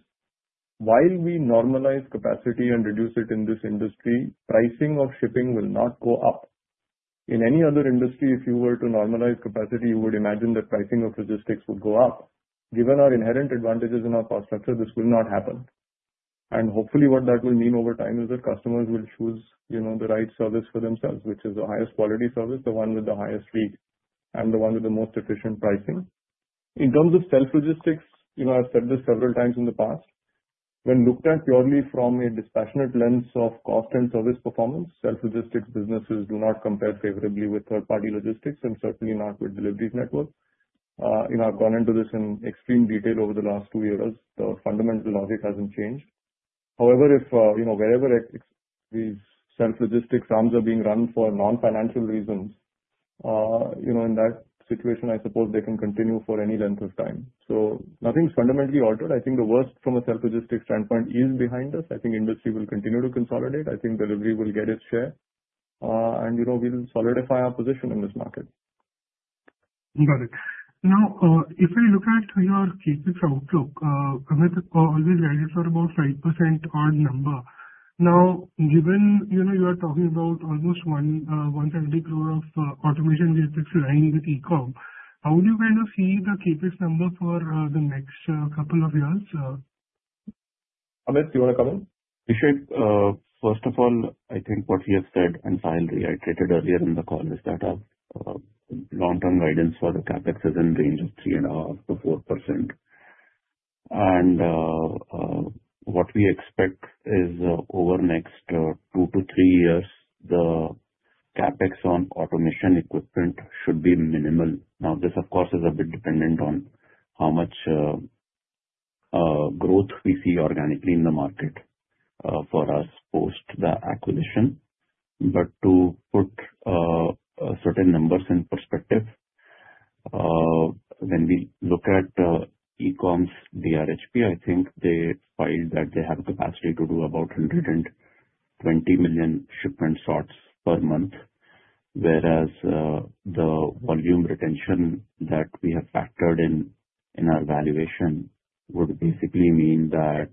while we normalize capacity and reduce it in this industry, pricing of shipping will not go up. In any other industry, if you were to normalize capacity, you would imagine that pricing of logistics would go up. Given our inherent advantages in our cost structure, this will not happen. Hopefully, what that will mean over time is that customers will choose the right service for themselves, which is the highest quality service, the one with the highest reach, and the one with the most efficient pricing. In terms of self-logistics, I've said this several times in the past, when looked at purely from a dispassionate lens of cost and service performance, self-logistics businesses do not compare favorably with third-party logistics and certainly not with Delhivery's network. I've gone into this in extreme detail over the last two years. The fundamental logic hasn't changed. However, if wherever these self-logistics arms are being run for non-financial reasons, in that situation, I suppose they can continue for any length of time. Nothing's fundamentally altered. I think the worst from a self-logistics standpoint is behind us. I think industry will continue to consolidate. I think Delhivery will get its share. We'll solidify our position in this market. Got it. Now, if I look at your CapEx outlook, Amit, always values are about 5% odd number. Now, given you are talking about almost 170 crore of automation CapEx line with Ecom, how do you kind of see the CapEx number for the next couple of years? Amit, do you want to come in? Vijit, first of all, I think what you have said and Sahil reiterated earlier in the call is that our long-term guidance for the CapEx is in the range of 3.5%-4%. What we expect is over the next two to three years, the CapEx on automation equipment should be minimal. Now, this, of course, is a bit dependent on how much growth we see organically in the market for us post the acquisition. To put certain numbers in perspective, when we look at Ecom's DRHP, I think they cite that they have capacity to do about 120 million shipment slots per month, whereas the volume retention that we have factored in our valuation would basically mean that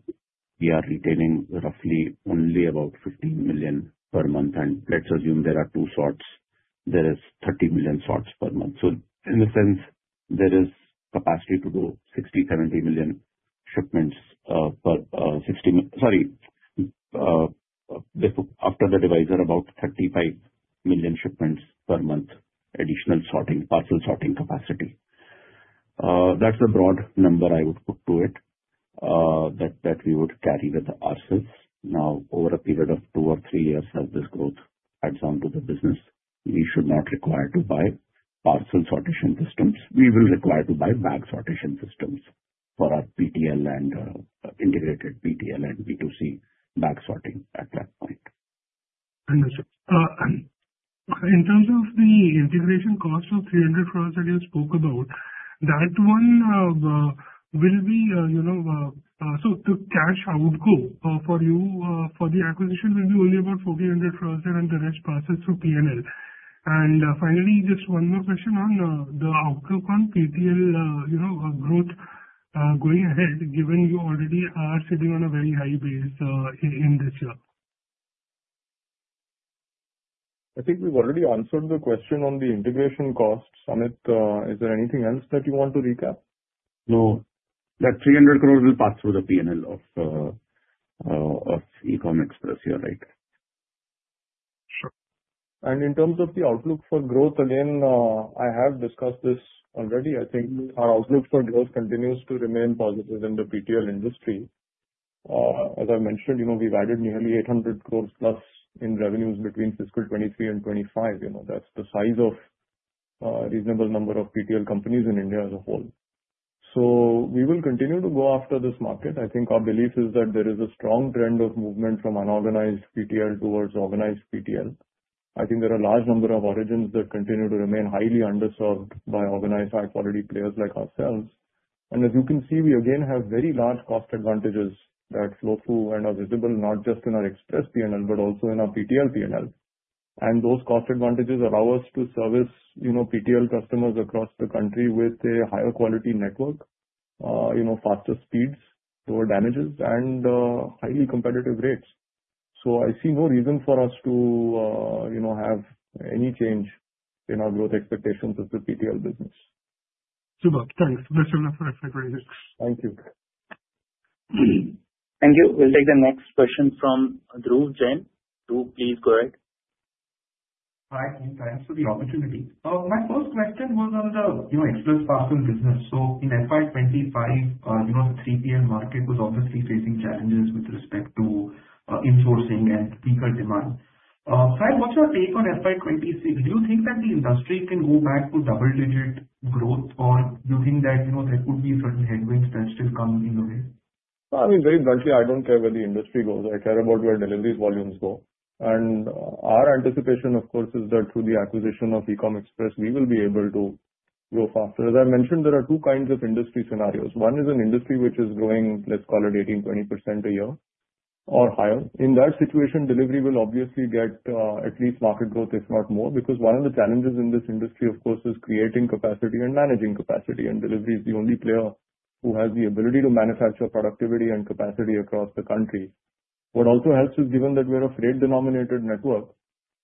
we are retaining roughly only about 15 million per month. Let's assume there are two slots. There is 30 million slots per month. In a sense, there is capacity to do 60 million-70 million shipments per 60, sorry, after the divisor, about 35 million shipments per month, additional parts and sorting capacity. That is the broad number I would put to it that we would carry with ourselves. Now, over a period of two or three years, as this growth adds on to the business, we should not require to buy parcel sortation systems. We will require to buy bag sortation systems for our PTL and integrated PTL and B2C bag sorting at that point. Understood. In terms of the integration cost of 300 crore that you spoke about, that one will be, so the cash outgo for you for the acquisition will be only about 400 crore and the rest passes through P&L. Finally, just one more question on the outlook on PTL growth going ahead, given you already are sitting on a very high base in this year. I think we've already answered the question on the integration cost. Amit, is there anything else that you want to recap? No. That 300 crore will pass through the P&L of Ecom Express, you're right. Sure. In terms of the outlook for growth, again, I have discussed this already. I think our outlook for growth continues to remain positive in the PTL industry. As I mentioned, we've added nearly 800 crore plus in revenues between fiscal 2023 and 2025. That's the size of a reasonable number of PTL companies in India as a whole. We will continue to go after this market. I think our belief is that there is a strong trend of movement from unorganized PTL towards organized PTL. I think there are a large number of origins that continue to remain highly underserved by organized high-quality players like ourselves. As you can see, we again have very large cost advantages that flow through and are visible not just in our Express P&L, but also in our PTL P&L. Those cost advantages allow us to service PTL customers across the country with a higher quality network, faster speeds, lower damages, and highly competitive rates. I see no reason for us to have any change in our growth expectations of the PTL business. Super. Thanks. That's enough for a second. Thank you. Thank you. We'll take the next question from Dhruv Jain. Dhruv, please go ahead. Hi. Thanks for the opportunity. My first question was on the Express Parcel business. In FY2025, the 3PL market was obviously facing challenges with respect to insourcing and weaker demand. Sahil, what's your take on FY2026? Do you think that the industry can go back to double-digit growth, or do you think that there could be certain headwinds that still come in the way? I mean, very bluntly, I don't care where the industry goes. I care about where Delhivery volumes go. And our anticipation, of course, is that through the acquisition of Ecom Express, we will be able to grow faster. As I mentioned, there are two kinds of industry scenarios. One is an industry which is growing, let's call it 18-20% a year or higher. In that situation, Delhivery will obviously get at least market growth, if not more, because one of the challenges in this industry, of course, is creating capacity and managing capacity. And Delhivery is the only player who has the ability to manufacture productivity and capacity across the country. What also helps is given that we're a freight-denominated network,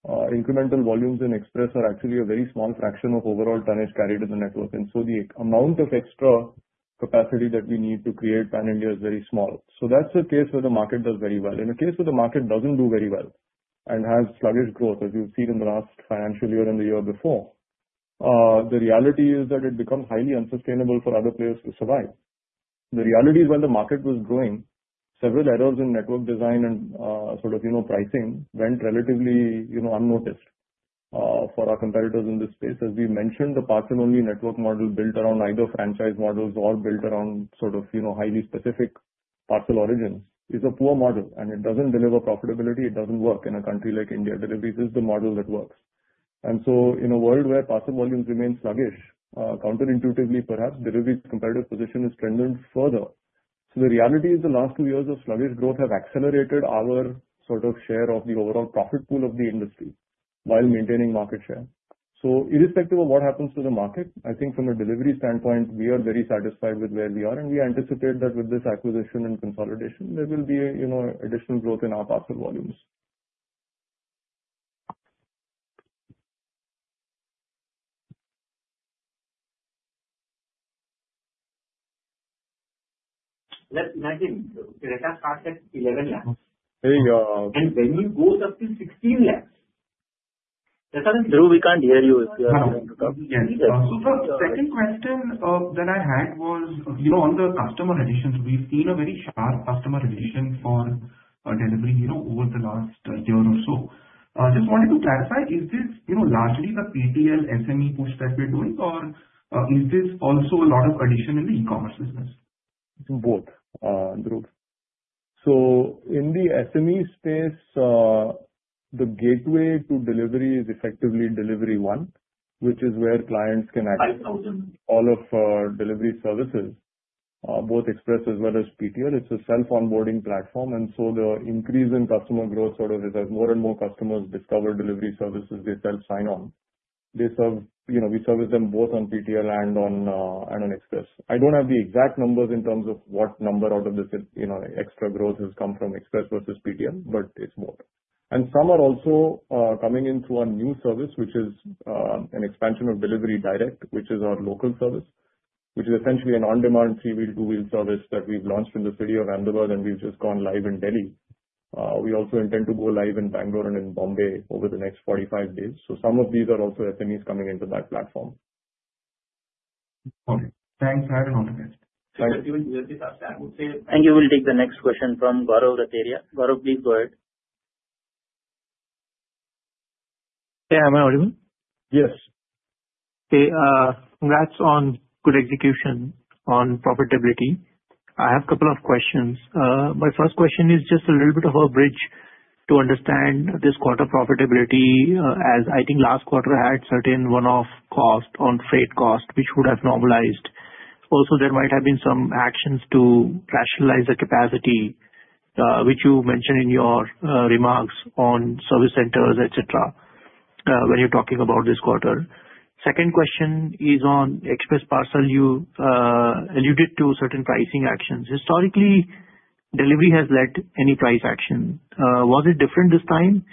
incremental volumes in Express are actually a very small fraction of overall tonnage carried in the network. The amount of extra capacity that we need to create pan-India is very small. That is a case where the market does very well. In a case where the market does not do very well and has sluggish growth, as you've seen in the last financial year and the year before, the reality is that it becomes highly unsustainable for other players to survive. The reality is when the market was growing, several errors in network design and sort of pricing went relatively unnoticed for our competitors in this space. As we mentioned, the parcel-only network model built around either franchise models or built around sort of highly specific parcel origins is a poor model. It does not deliver profitability. It doesn't work in a country like India. Delhivery is the model that works. In a world where parcel volumes remain sluggish, counterintuitively, perhaps Delhivery's competitive position is strengthened further. The reality is the last two years of sluggish growth have accelerated our sort of share of the overall profit pool of the industry while maintaining market share. Irrespective of what happens to the market, I think from a Delhivery standpoint, we are very satisfied with where we are. We anticipate that with this acquisition and consolidation, there will be additional growth in our parcel volumes. Let's imagine run rate starts at 1.1 million. When you go up to 1.6 million. That doesn't mean Dhruv, we can't hear you. Yeah. The second question that I had was on the customer additions. We've seen a very sharp customer addition for Delhivery over the last year or so. Just wanted to clarify, is this largely the PTL SME push that we're doing, or is this also a lot of addition in the e-commerce business? Both, Dhruv. In the SME space, the gateway to Delhivery is effectively Delhivery One, which is where clients can access all of our Delhivery services, both Express as well as PTL. It's a self-onboarding platform. The increase in customer growth sort of is as more and more customers discover Delhivery services, they self-sign on. We service them both on PTL and on Express. I don't have the exact numbers in terms of what number out of this extra growth has come from Express versus PTL, but it's more. Some are also coming in through our new service, which is an expansion of Delhivery Direct, which is our local service, which is essentially an on-demand three-wheel, two-wheel service that we have launched in the city of Ahmedabad, and we have just gone live in Delhi. We also intend to go live in Bangalore and in Bombay over the next 45 days. Some of these are also SMEs coming into that platform. Okay. Thanks. I have another question. Dhruv, you will be the last. I would say thank you. We will take the next question from Gaurav Rateria. Gaurav, please go ahead. Hey, am I audible? Yes. Okay. Congrats on good execution on profitability. I have a couple of questions. My first question is just a little bit of a bridge to understand this quarter profitability, as I think last quarter had certain one-off cost on freight cost, which would have normalized. Also, there might have been some actions to rationalize the capacity, which you mentioned in your remarks on service centers, etc., when you're talking about this quarter. Second question is on Express Parcel. You alluded to certain pricing actions. Historically, Delhivery has led to any price action. Was it different this time?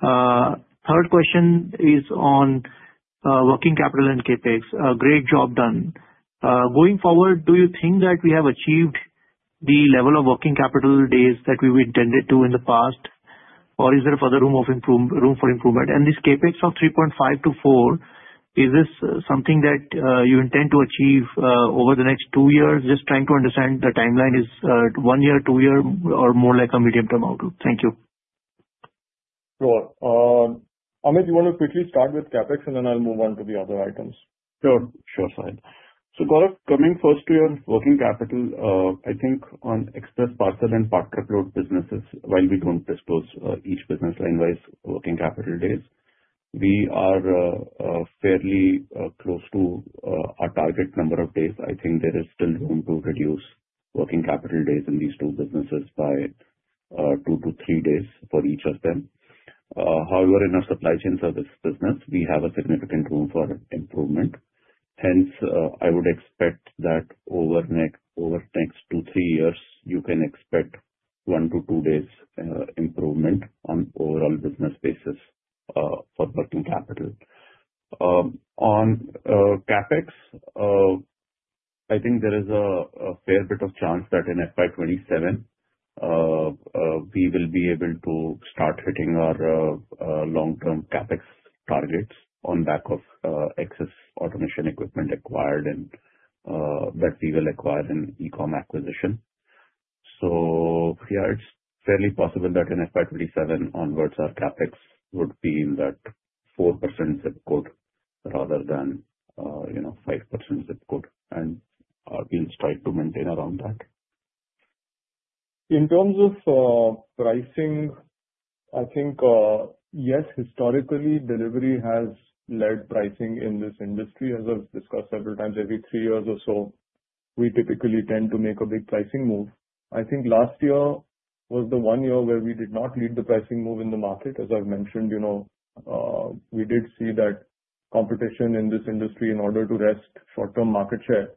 Third question is on working capital and CapEx. Great job done. Going forward, do you think that we have achieved the level of working capital days that we intended to in the past, or is there further room for improvement? And this CapEx of 3.5 billion-4 billion, is this something that you intend to achieve over the next two years? Just trying to understand the timeline. Is one year, two years, or more like a medium-term outlook? Thank you. Sure. Amit, you want to quickly start with CapEx, and then I'll move on to the other items. Sure. Sure, Sahil. So Gaurav, coming first to your working capital, I think on Express Parcel and Part Truckload businesses, while we do not disclose each business line-wise working capital days, we are fairly close to our target number of days. I think there is still room to reduce working capital days in these two businesses by two to three days for each of them. However, in our Supply Chain Services business, we have significant room for improvement. Hence, I would expect that over the next two to three years, you can expect one to two days improvement on an overall business basis for working capital. On CapEx, I think there is a fair bit of chance that in FY 2027, we will be able to start hitting our long-term CapEx targets on back of excess automation equipment acquired that we will acquire in Ecom acquisition. Yeah, it's fairly possible that in FY 2027 onwards, our CapEx would be in that 4% zip code rather than 5% zip code, and we'll strive to maintain around that. In terms of pricing, I think, yes, historically, Delhivery has led pricing in this industry. As I've discussed several times, every three years or so, we typically tend to make a big pricing move. I think last year was the one year where we did not lead the pricing move in the market. As I've mentioned, we did see that competition in this industry, in order to wrest short-term market share,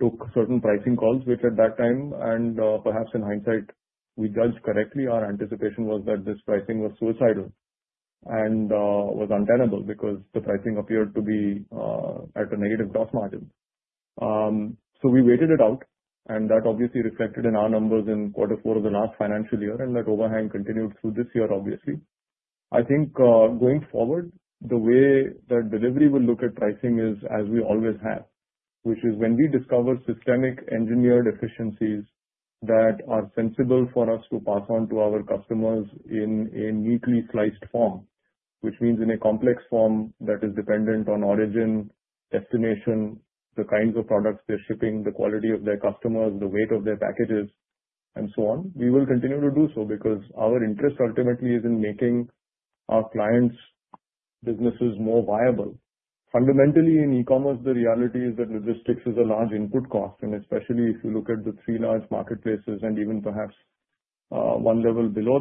took certain pricing calls, which at that time, and perhaps in hindsight, we judged correctly, our anticipation was that this pricing was suicidal and was untenable because the pricing appeared to be at a negative cost margin. We waited it out, and that obviously reflected in our numbers in quarter four of the last financial year, and that overhang continued through this year, obviously. I think going forward, the way that Delhivery will look at pricing is as we always have, which is when we discover systemic engineered efficiencies that are sensible for us to pass on to our customers in a neatly sliced form, which means in a complex form that is dependent on origin, destination, the kinds of products they're shipping, the quality of their customers, the weight of their packages, and so on. We will continue to do so because our interest ultimately is in making our clients' businesses more viable. Fundamentally, in e-commerce, the reality is that logistics is a large input cost, and especially if you look at the three large marketplaces and even perhaps one level below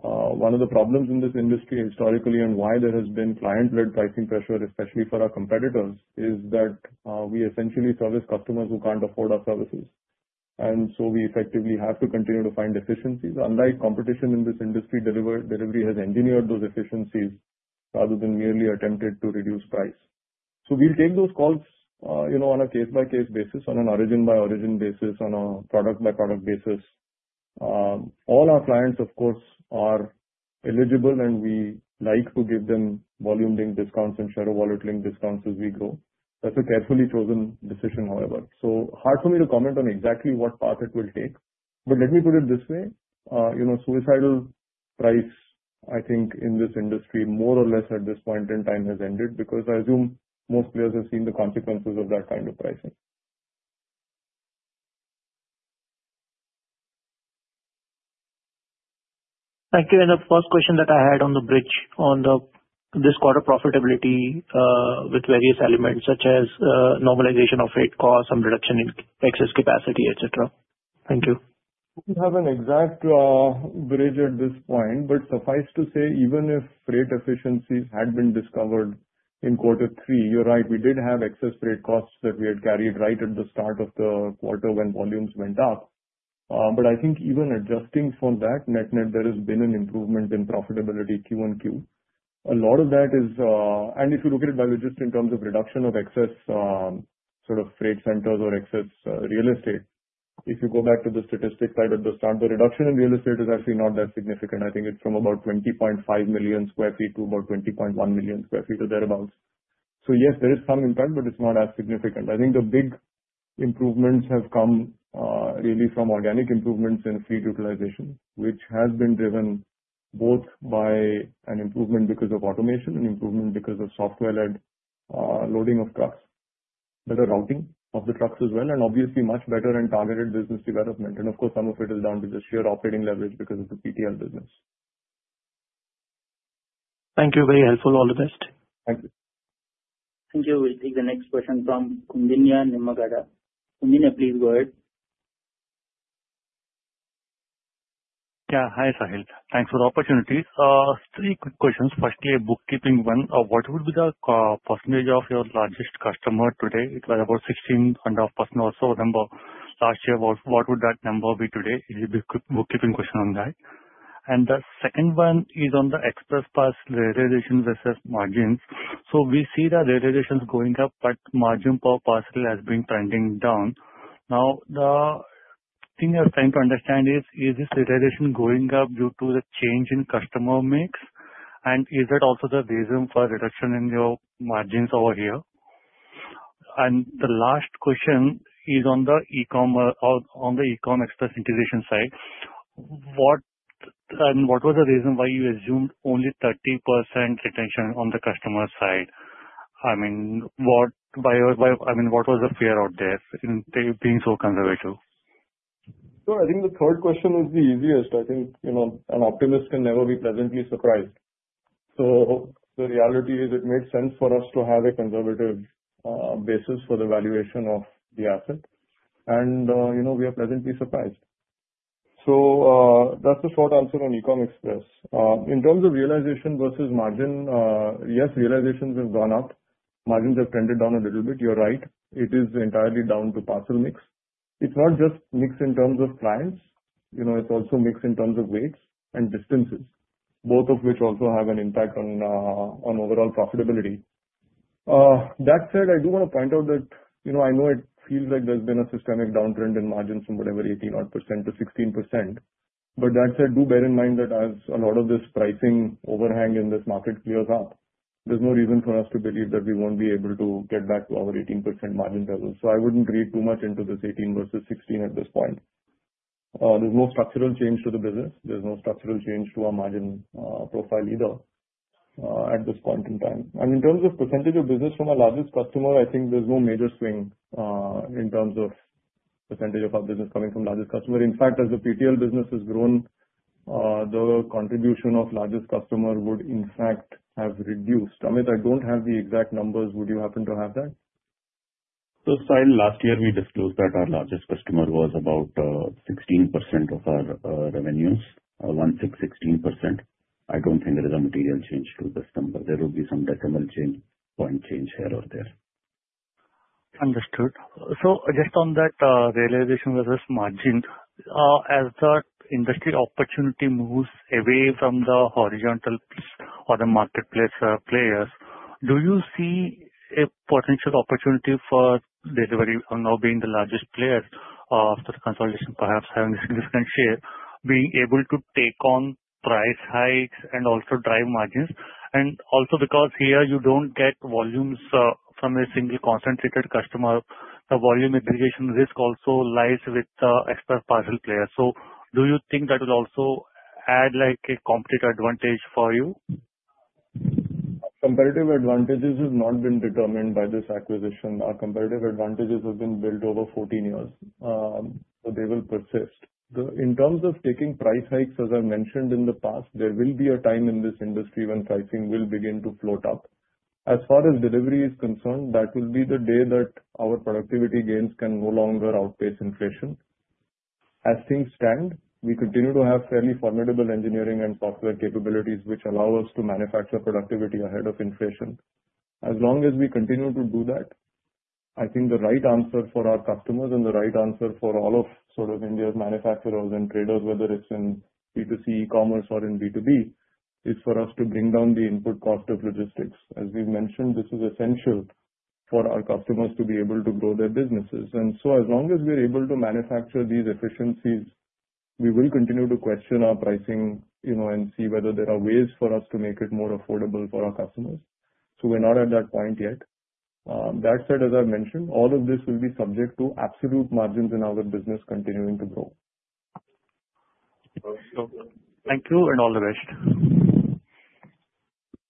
them. One of the problems in this industry historically and why there has been client-led pricing pressure, especially for our competitors, is that we essentially service customers who can't afford our services. And so we effectively have to continue to find efficiencies. Unlike competition in this industry, Delhivery has engineered those efficiencies rather than merely attempted to reduce price. We will take those calls on a case-by-case basis, on an origin-by-origin basis, on a product-by-product basis. All our clients, of course, are eligible, and we like to give them volume-linked discounts and share of wallet-linked discounts as we grow. That is a carefully chosen decision, however. Hard for me to comment on exactly what path it will take. Let me put it this way. Suicidal price, I think, in this industry, more or less at this point in time, has ended because I assume most players have seen the consequences of that kind of pricing. Thank you. The first question that I had on the bridge on this quarter profitability with various elements such as normalization of freight costs and reduction in excess capacity, etc. Thank you. We do not have an exact bridge at this point, but suffice to say, even if freight efficiencies had been discovered in quarter three, you are right, we did have excess freight costs that we had carried right at the start of the quarter when volumes went up. I think even adjusting for that, net-net, there has been an improvement in profitability Q1Q. A lot of that is, and if you look at it by logistics in terms of reduction of excess sort of freight centers or excess real estate, if you go back to the statistic side at the start, the reduction in real estate is actually not that significant. I think it is from about 20.5 million sq ft to about 20.1 million sq ft or thereabouts. Yes, there is some impact, but it is not as significant. I think the big improvements have come really from organic improvements in freight utilization, which has been driven both by an improvement because of automation and improvement because of software-led loading of trucks, better routing of the trucks as well, and obviously much better and targeted business development. Of course, some of it is down to just sheer operating leverage because of the PTL business. Thank you. Very helpful. All the best. Thank you. Thank you. We'll take the next question from Koundinya Nimmagadda. Koundinya, please go ahead. Yeah. Hi, Sahil. Thanks for the opportunity. Three quick questions. Firstly, a bookkeeping one. What would be the percentage of your largest customer today? It was about 16% or so number last year. What would that number be today? It's a bookkeeping question on that. The second one is on the Express Parcel realization versus margins. We see the realizations going up, but margin per parcel has been trending down. The thing you're trying to understand is, is this realization going up due to the change in customer mix? Is that also the reason for reduction in your margins over here? The last question is on the Ecom Express integration side. What was the reason why you assumed only 30% retention on the customer side? I mean, what was the fear out there in being so conservative? Sure. I think the third question is the easiest. I think an optimist can never be pleasantly surprised. The reality is it made sense for us to have a conservative basis for the valuation of the asset. We are pleasantly surprised. That is the short answer on Ecom Express. In terms of realization versus margin, yes, realizations have gone up. Margins have trended down a little bit. You are right. It is entirely down to parcel mix. It is not just mix in terms of clients. It is also mix in terms of weights and distances, both of which also have an impact on overall profitability. That said, I do want to point out that I know it feels like there has been a systemic downtrend in margins from whatever 18% to 16%. That said, do bear in mind that as a lot of this pricing overhang in this market clears up, there's no reason for us to believe that we won't be able to get back to our 18% margin level. I wouldn't read too much into this 18% versus 16% at this point. There's no structural change to the business. There's no structural change to our margin profile either at this point in time. In terms of percentage of business from our largest customer, I think there's no major swing in terms of percentage of our business coming from largest customer. In fact, as the PTL business has grown, the contribution of largest customer would in fact have reduced. Amit, I don't have the exact numbers. Would you happen to have that? Sahil, last year we disclosed that our largest customer was about 16% of our revenues, 16%. I do not think there is a material change to this number. There will be some decimal point change here or there. Understood. Just on that realization versus margin, as the industry opportunity moves away from the horizontal or the marketplace players, do you see a potential opportunity for Delhivery, now being the largest player, after the consolidation, perhaps having a significant share, being able to take on price hikes and also drive margins? Also, because here you do not get volumes from a single concentrated customer, the volume aggregation risk also lies with the Express Parcel players. Do you think that will also add a competitive advantage for you? Competitive advantages have not been determined by this acquisition. Our competitive advantages have been built over 14 years, so they will persist. In terms of taking price hikes, as I mentioned in the past, there will be a time in this industry when pricing will begin to float up. As far as Delhivery is concerned, that will be the day that our productivity gains can no longer outpace inflation. As things stand, we continue to have fairly formidable engineering and software capabilities, which allow us to manufacture productivity ahead of inflation. As long as we continue to do that, I think the right answer for our customers and the right answer for all of sort of India's manufacturers and traders, whether it's in B2C e-commerce or in B2B, is for us to bring down the input cost of logistics. As we've mentioned, this is essential for our customers to be able to grow their businesses. As long as we're able to manufacture these efficiencies, we will continue to question our pricing and see whether there are ways for us to make it more affordable for our customers. We're not at that point yet. That said, as I mentioned, all of this will be subject to absolute margins in our business continuing to grow. Thank you and all the best.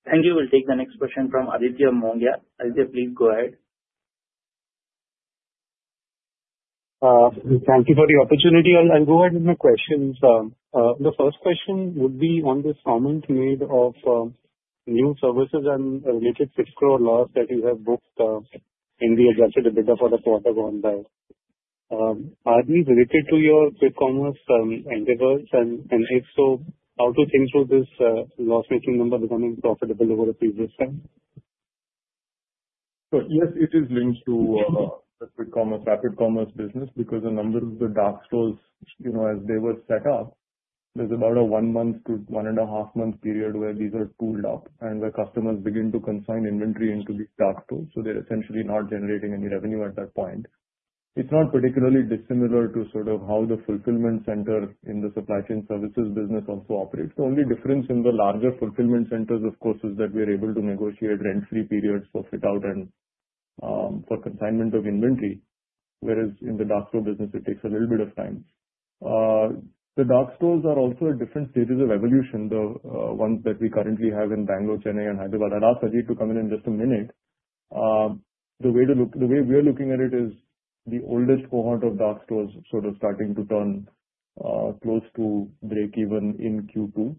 Thank you. We'll take the next question from Aditya Mongia. Aditya, please go ahead. Thank you for the opportunity. I'll go ahead with my questions. The first question would be on this comment made of new services and related fiscal loss that you have booked in the adjusted EBITDA for the quarter gone by. Are these related to your e-commerce endeavors? And if so, how to think through this loss-making number becoming profitable over a previous time? Yes, it is linked to the rapid commerce business because the number of the dark stores, as they were set up, there's about a one-month to one-and-a-half-month period where these are spooled up and where customers begin to consign inventory into these dark stores. They're essentially not generating any revenue at that point. It's not particularly dissimilar to sort of how the fulfillment center in the supply chain services business also operates. The only difference in the larger fulfillment centers, of course, is that we are able to negotiate rent-free periods for fit-out and for consignment of inventory, whereas in the dark store business, it takes a little bit of time. The dark stores are also a different series of evolution, the ones that we currently have in Bangalore, Chennai, and Hyderabad. I'd ask Ajith to come in in just a minute. The way we're looking at it is the oldest cohort of dark stores sort of starting to turn close to break-even in Q2.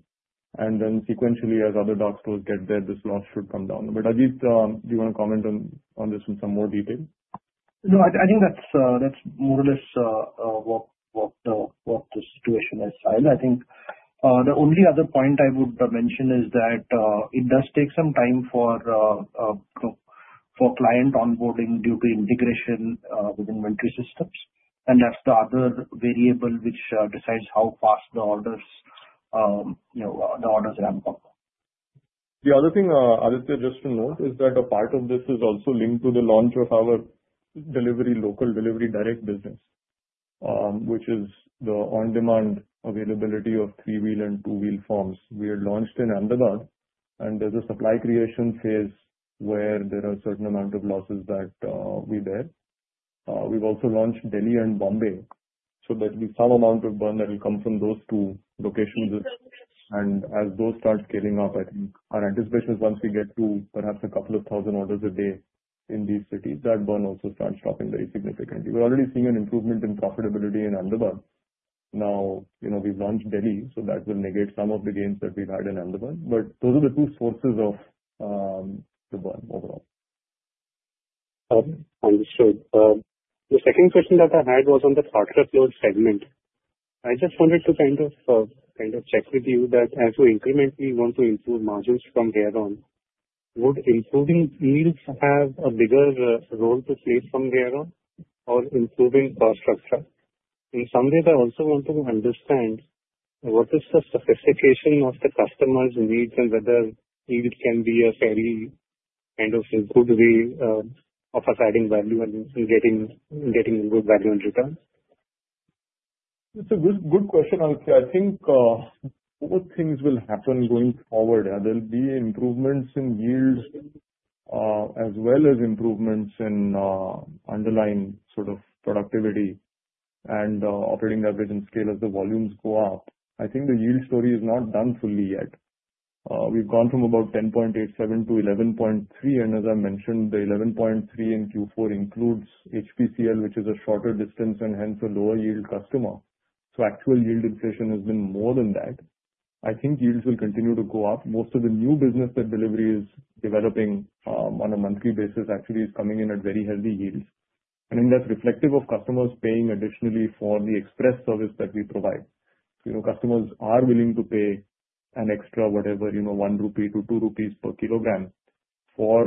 Then sequentially, as other dark stores get there, this loss should come down. Ajith, do you want to comment on this in some more detail? No, I think that's more or less what the situation is. I think the only other point I would mention is that it does take some time for client onboarding due to integration with inventory systems. That's the other variable which decides how fast the orders ramp up. The other thing, Aditya, just to note, is that a part of this is also linked to the launch of our local Delhivery Direct business, which is the on-demand availability of three-wheel and two-wheel forms. We had launched in Ahmedabad, and there's a supply creation phase where there are a certain amount of losses that we bear. We've also launched Delhi and Bombay, so there'll be some amount of burn that will come from those two locations. As those start scaling up, I think our anticipation is once we get to perhaps a couple of thousand orders a day in these cities, that burn also starts dropping very significantly. We're already seeing an improvement in profitability in Ahmedabad. Now, we've launched Delhi, so that will negate some of the gains that we've had in Ahmedabad. Those are the two sources of the burn overall. Understood. The second question that I had was on the Part Truckload segment. I just wanted to kind of check with you that as we incrementally want to improve margins from here on, would improving yields have a bigger role to play from here on or improving cost structure? In some ways, I also want to understand what is the sophistication of the customer's needs and whether it can be a fairly kind of good way of adding value and getting good value in return? It's a good question, Aditya. I think both things will happen going forward. There will be improvements in yields as well as improvements in underlying sort of productivity and operating leverage and scale as the volumes go up. I think the yield story is not done fully yet. We have gone from about 10.87 to 11.3. As I mentioned, the 11.3 in Q4 includes HPCL, which is a shorter distance and hence a lower yield customer. Actual yield inflation has been more than that. I think yields will continue to go up. Most of the new business that Delhivery is developing on a monthly basis actually is coming in at very healthy yields. I think that is reflective of customers paying additionally for the express service that we provide. Customers are willing to pay an extra whatever, 1 rupee to 2 rupees per kilogram for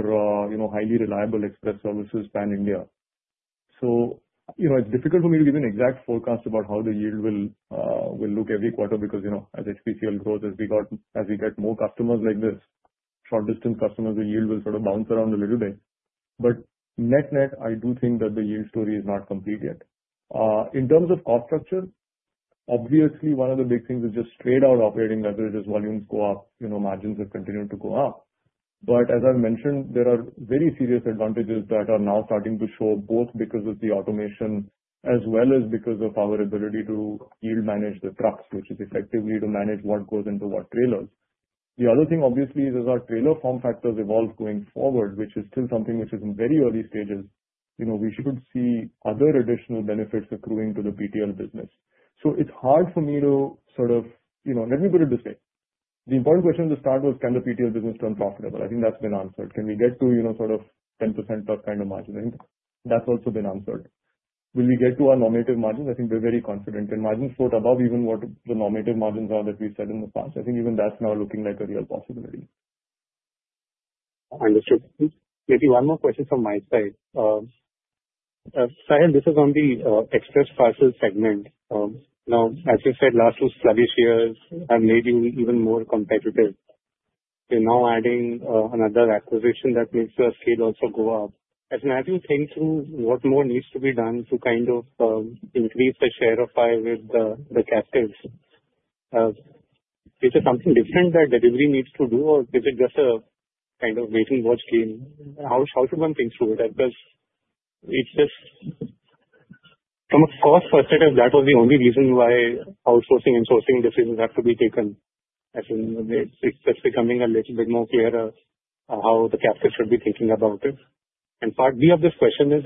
highly reliable express services pan-India. It is difficult for me to give an exact forecast about how the yield will look every quarter because as HPCL grows, as we get more customers like this, short-distance customers, the yield will sort of bounce around a little bit. Net-net, I do think that the yield story is not complete yet. In terms of cost structure, obviously, one of the big things is just straight-out operating leverage as volumes go up, margins have continued to go up. As I have mentioned, there are very serious advantages that are now starting to show both because of the automation as well as because of our ability to yield manage the trucks, which is effectively to manage what goes into what trailers. The other thing, obviously, is as our trailer form factors evolve going forward, which is still something which is in very early stages, we should see other additional benefits accruing to the PTL business. It is hard for me to sort of let me put it this way. The important question at the start was, can the PTL business turn profitable? I think that has been answered. Can we get to sort of 10% plus kind of margin? I think that's also been answered. Will we get to our normative margins? I think we're very confident. Can margins float above even what the normative margins are that we've said in the past? I think even that's now looking like a real possibility. Understood. Maybe one more question from my side. Sahil, this is on the Express Parcel segment. Now, as you said, last two sluggish years have made you even more competitive. You're now adding another acquisition that makes your scale also go up. As an admin, think through what more needs to be done to kind of increase the share of pie with the captives. Is there something different that Delhivery needs to do, or is it just a kind of wait-and-watch game? How should one think through it? Because from a cost perspective, that was the only reason why outsourcing and sourcing decisions have to be taken. It's just becoming a little bit more clear how the captive should be thinking about it. Part B of this question is,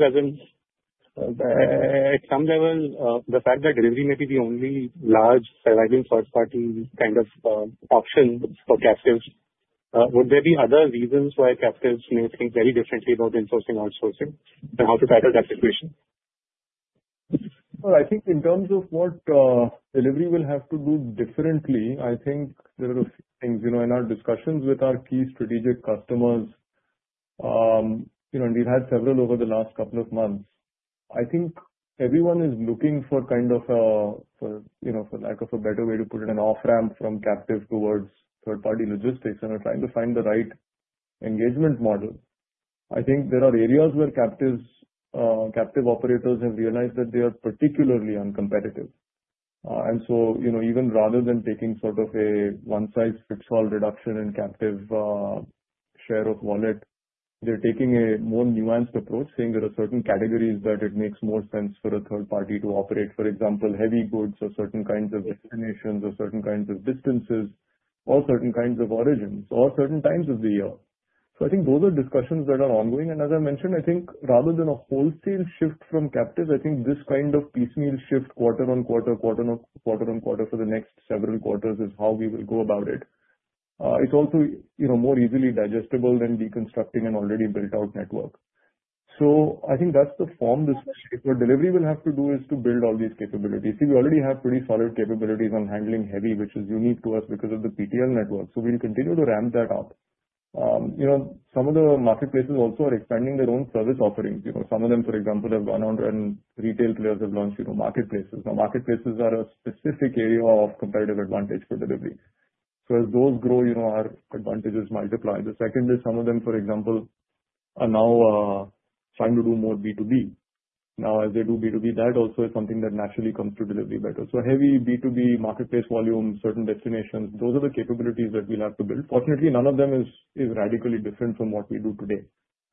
at some level, the fact that Delhivery may be the only large surviving third-party kind of option for captives, would there be other reasons why captives may think very differently about insourcing and outsourcing and how to tackle that situation? I think in terms of what Delhivery will have to do differently, I think there are a few things. In our discussions with our key strategic customers, and we've had several over the last couple of months, I think everyone is looking for, kind of, for lack of a better way to put it, an off-ramp from captive towards third-party logistics and are trying to find the right engagement model. I think there are areas where captive operators have realized that they are particularly uncompetitive. Even rather than taking sort of a one-size-fits-all reduction in captive share of wallet, they're taking a more nuanced approach, saying there are certain categories that it makes more sense for a third party to operate. For example, heavy goods or certain kinds of destinations or certain kinds of distances or certain kinds of origins or certain times of the year. I think those are discussions that are ongoing. As I mentioned, I think rather than a wholesale shift from captive, I think this kind of piecemeal shift, quarter on quarter, quarter on quarter for the next several quarters, is how we will go about it. It's also more easily digestible than deconstructing an already built-out network. I think that's the form this will take. What Delhivery will have to do is to build all these capabilities. See, we already have pretty solid capabilities on handling heavy, which is unique to us because of the PTL network. We will continue to ramp that up. Some of the marketplaces also are expanding their own service offerings. Some of them, for example, have gone on and retail players have launched marketplaces. Now, marketplaces are a specific area of competitive advantage for Delhivery. As those grow, our advantages multiply. The second is some of them, for example, are now trying to do more B2B. As they do B2B, that also is something that naturally comes to Delhivery better. Heavy B2B marketplace volume, certain destinations, those are the capabilities that we will have to build. Fortunately, none of them is radically different from what we do today.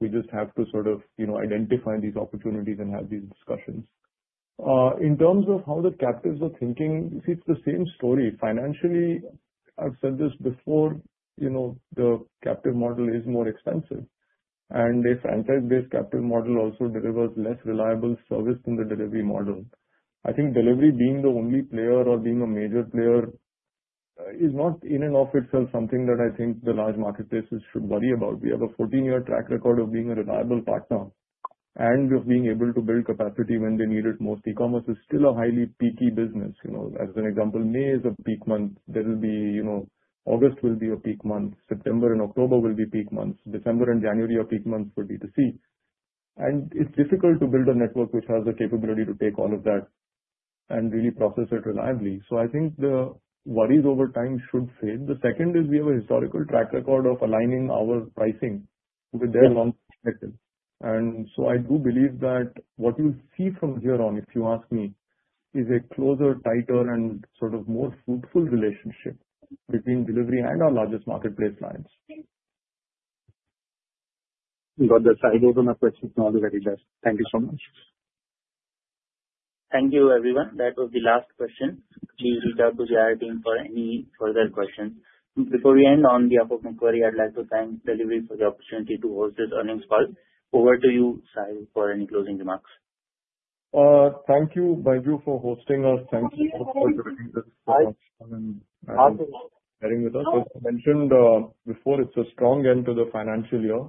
We just have to sort of identify these opportunities and have these discussions. In terms of how the captives are thinking, see, it's the same story. Financially, I've said this before, the captive model is more expensive. And a franchise-based captive model also delivers less reliable service than the Delhivery model. I think Delhivery being the only player or being a major player is not in and of itself something that I think the large marketplaces should worry about. We have a 14-year track record of being a reliable partner. And being able to build capacity when they need it most, e-commerce is still a highly peaky business. As an example, May is a peak month. August will be a peak month. September and October will be peak months. December and January are peak months for B2C. And it's difficult to build a network which has the capability to take all of that and really process it reliably. I think the worries over time should fade. The second is we have a historical track record of aligning our pricing with their long-term perspective. I do believe that what you'll see from here on, if you ask me, is a closer, tighter, and sort of more fruitful relationship between Delhivery and our largest marketplace clients. Got the side note on my question already, guys. Thank you so much. Thank you, everyone. That was the last question. Please reach out to the IR team for any further questions. Before we end, on behalf of Macquarie, I'd like to thank Delhivery for the opportunity to host this earnings call. Over to you, Sahil, for any closing remarks. Thank you, Baiju, for hosting us. Thank you for joining this podcast and sharing with us. As I mentioned before, it's a strong end to the financial year.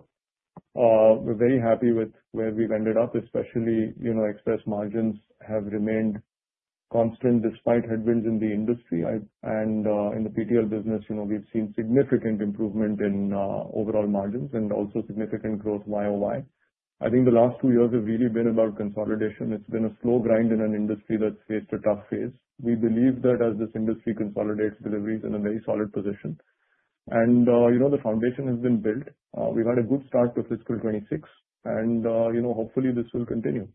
We're very happy with where we've ended up, especially Express Parcel margins have remained constant despite headwinds in the industry. In the PTL business, we've seen significant improvement in overall margins and also significant growth YoY. I think the last two years have really been about consolidation. It's been a slow grind in an industry that's faced a tough phase. We believe that as this industry consolidates, Delhivery is in a very solid position. The foundation has been built. We've had a good start to fiscal 2026, and hopefully, this will continue.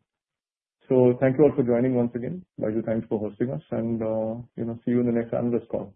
Thank you all for joining once again. Baiju, thanks for hosting us, and see you in the next anniversary call.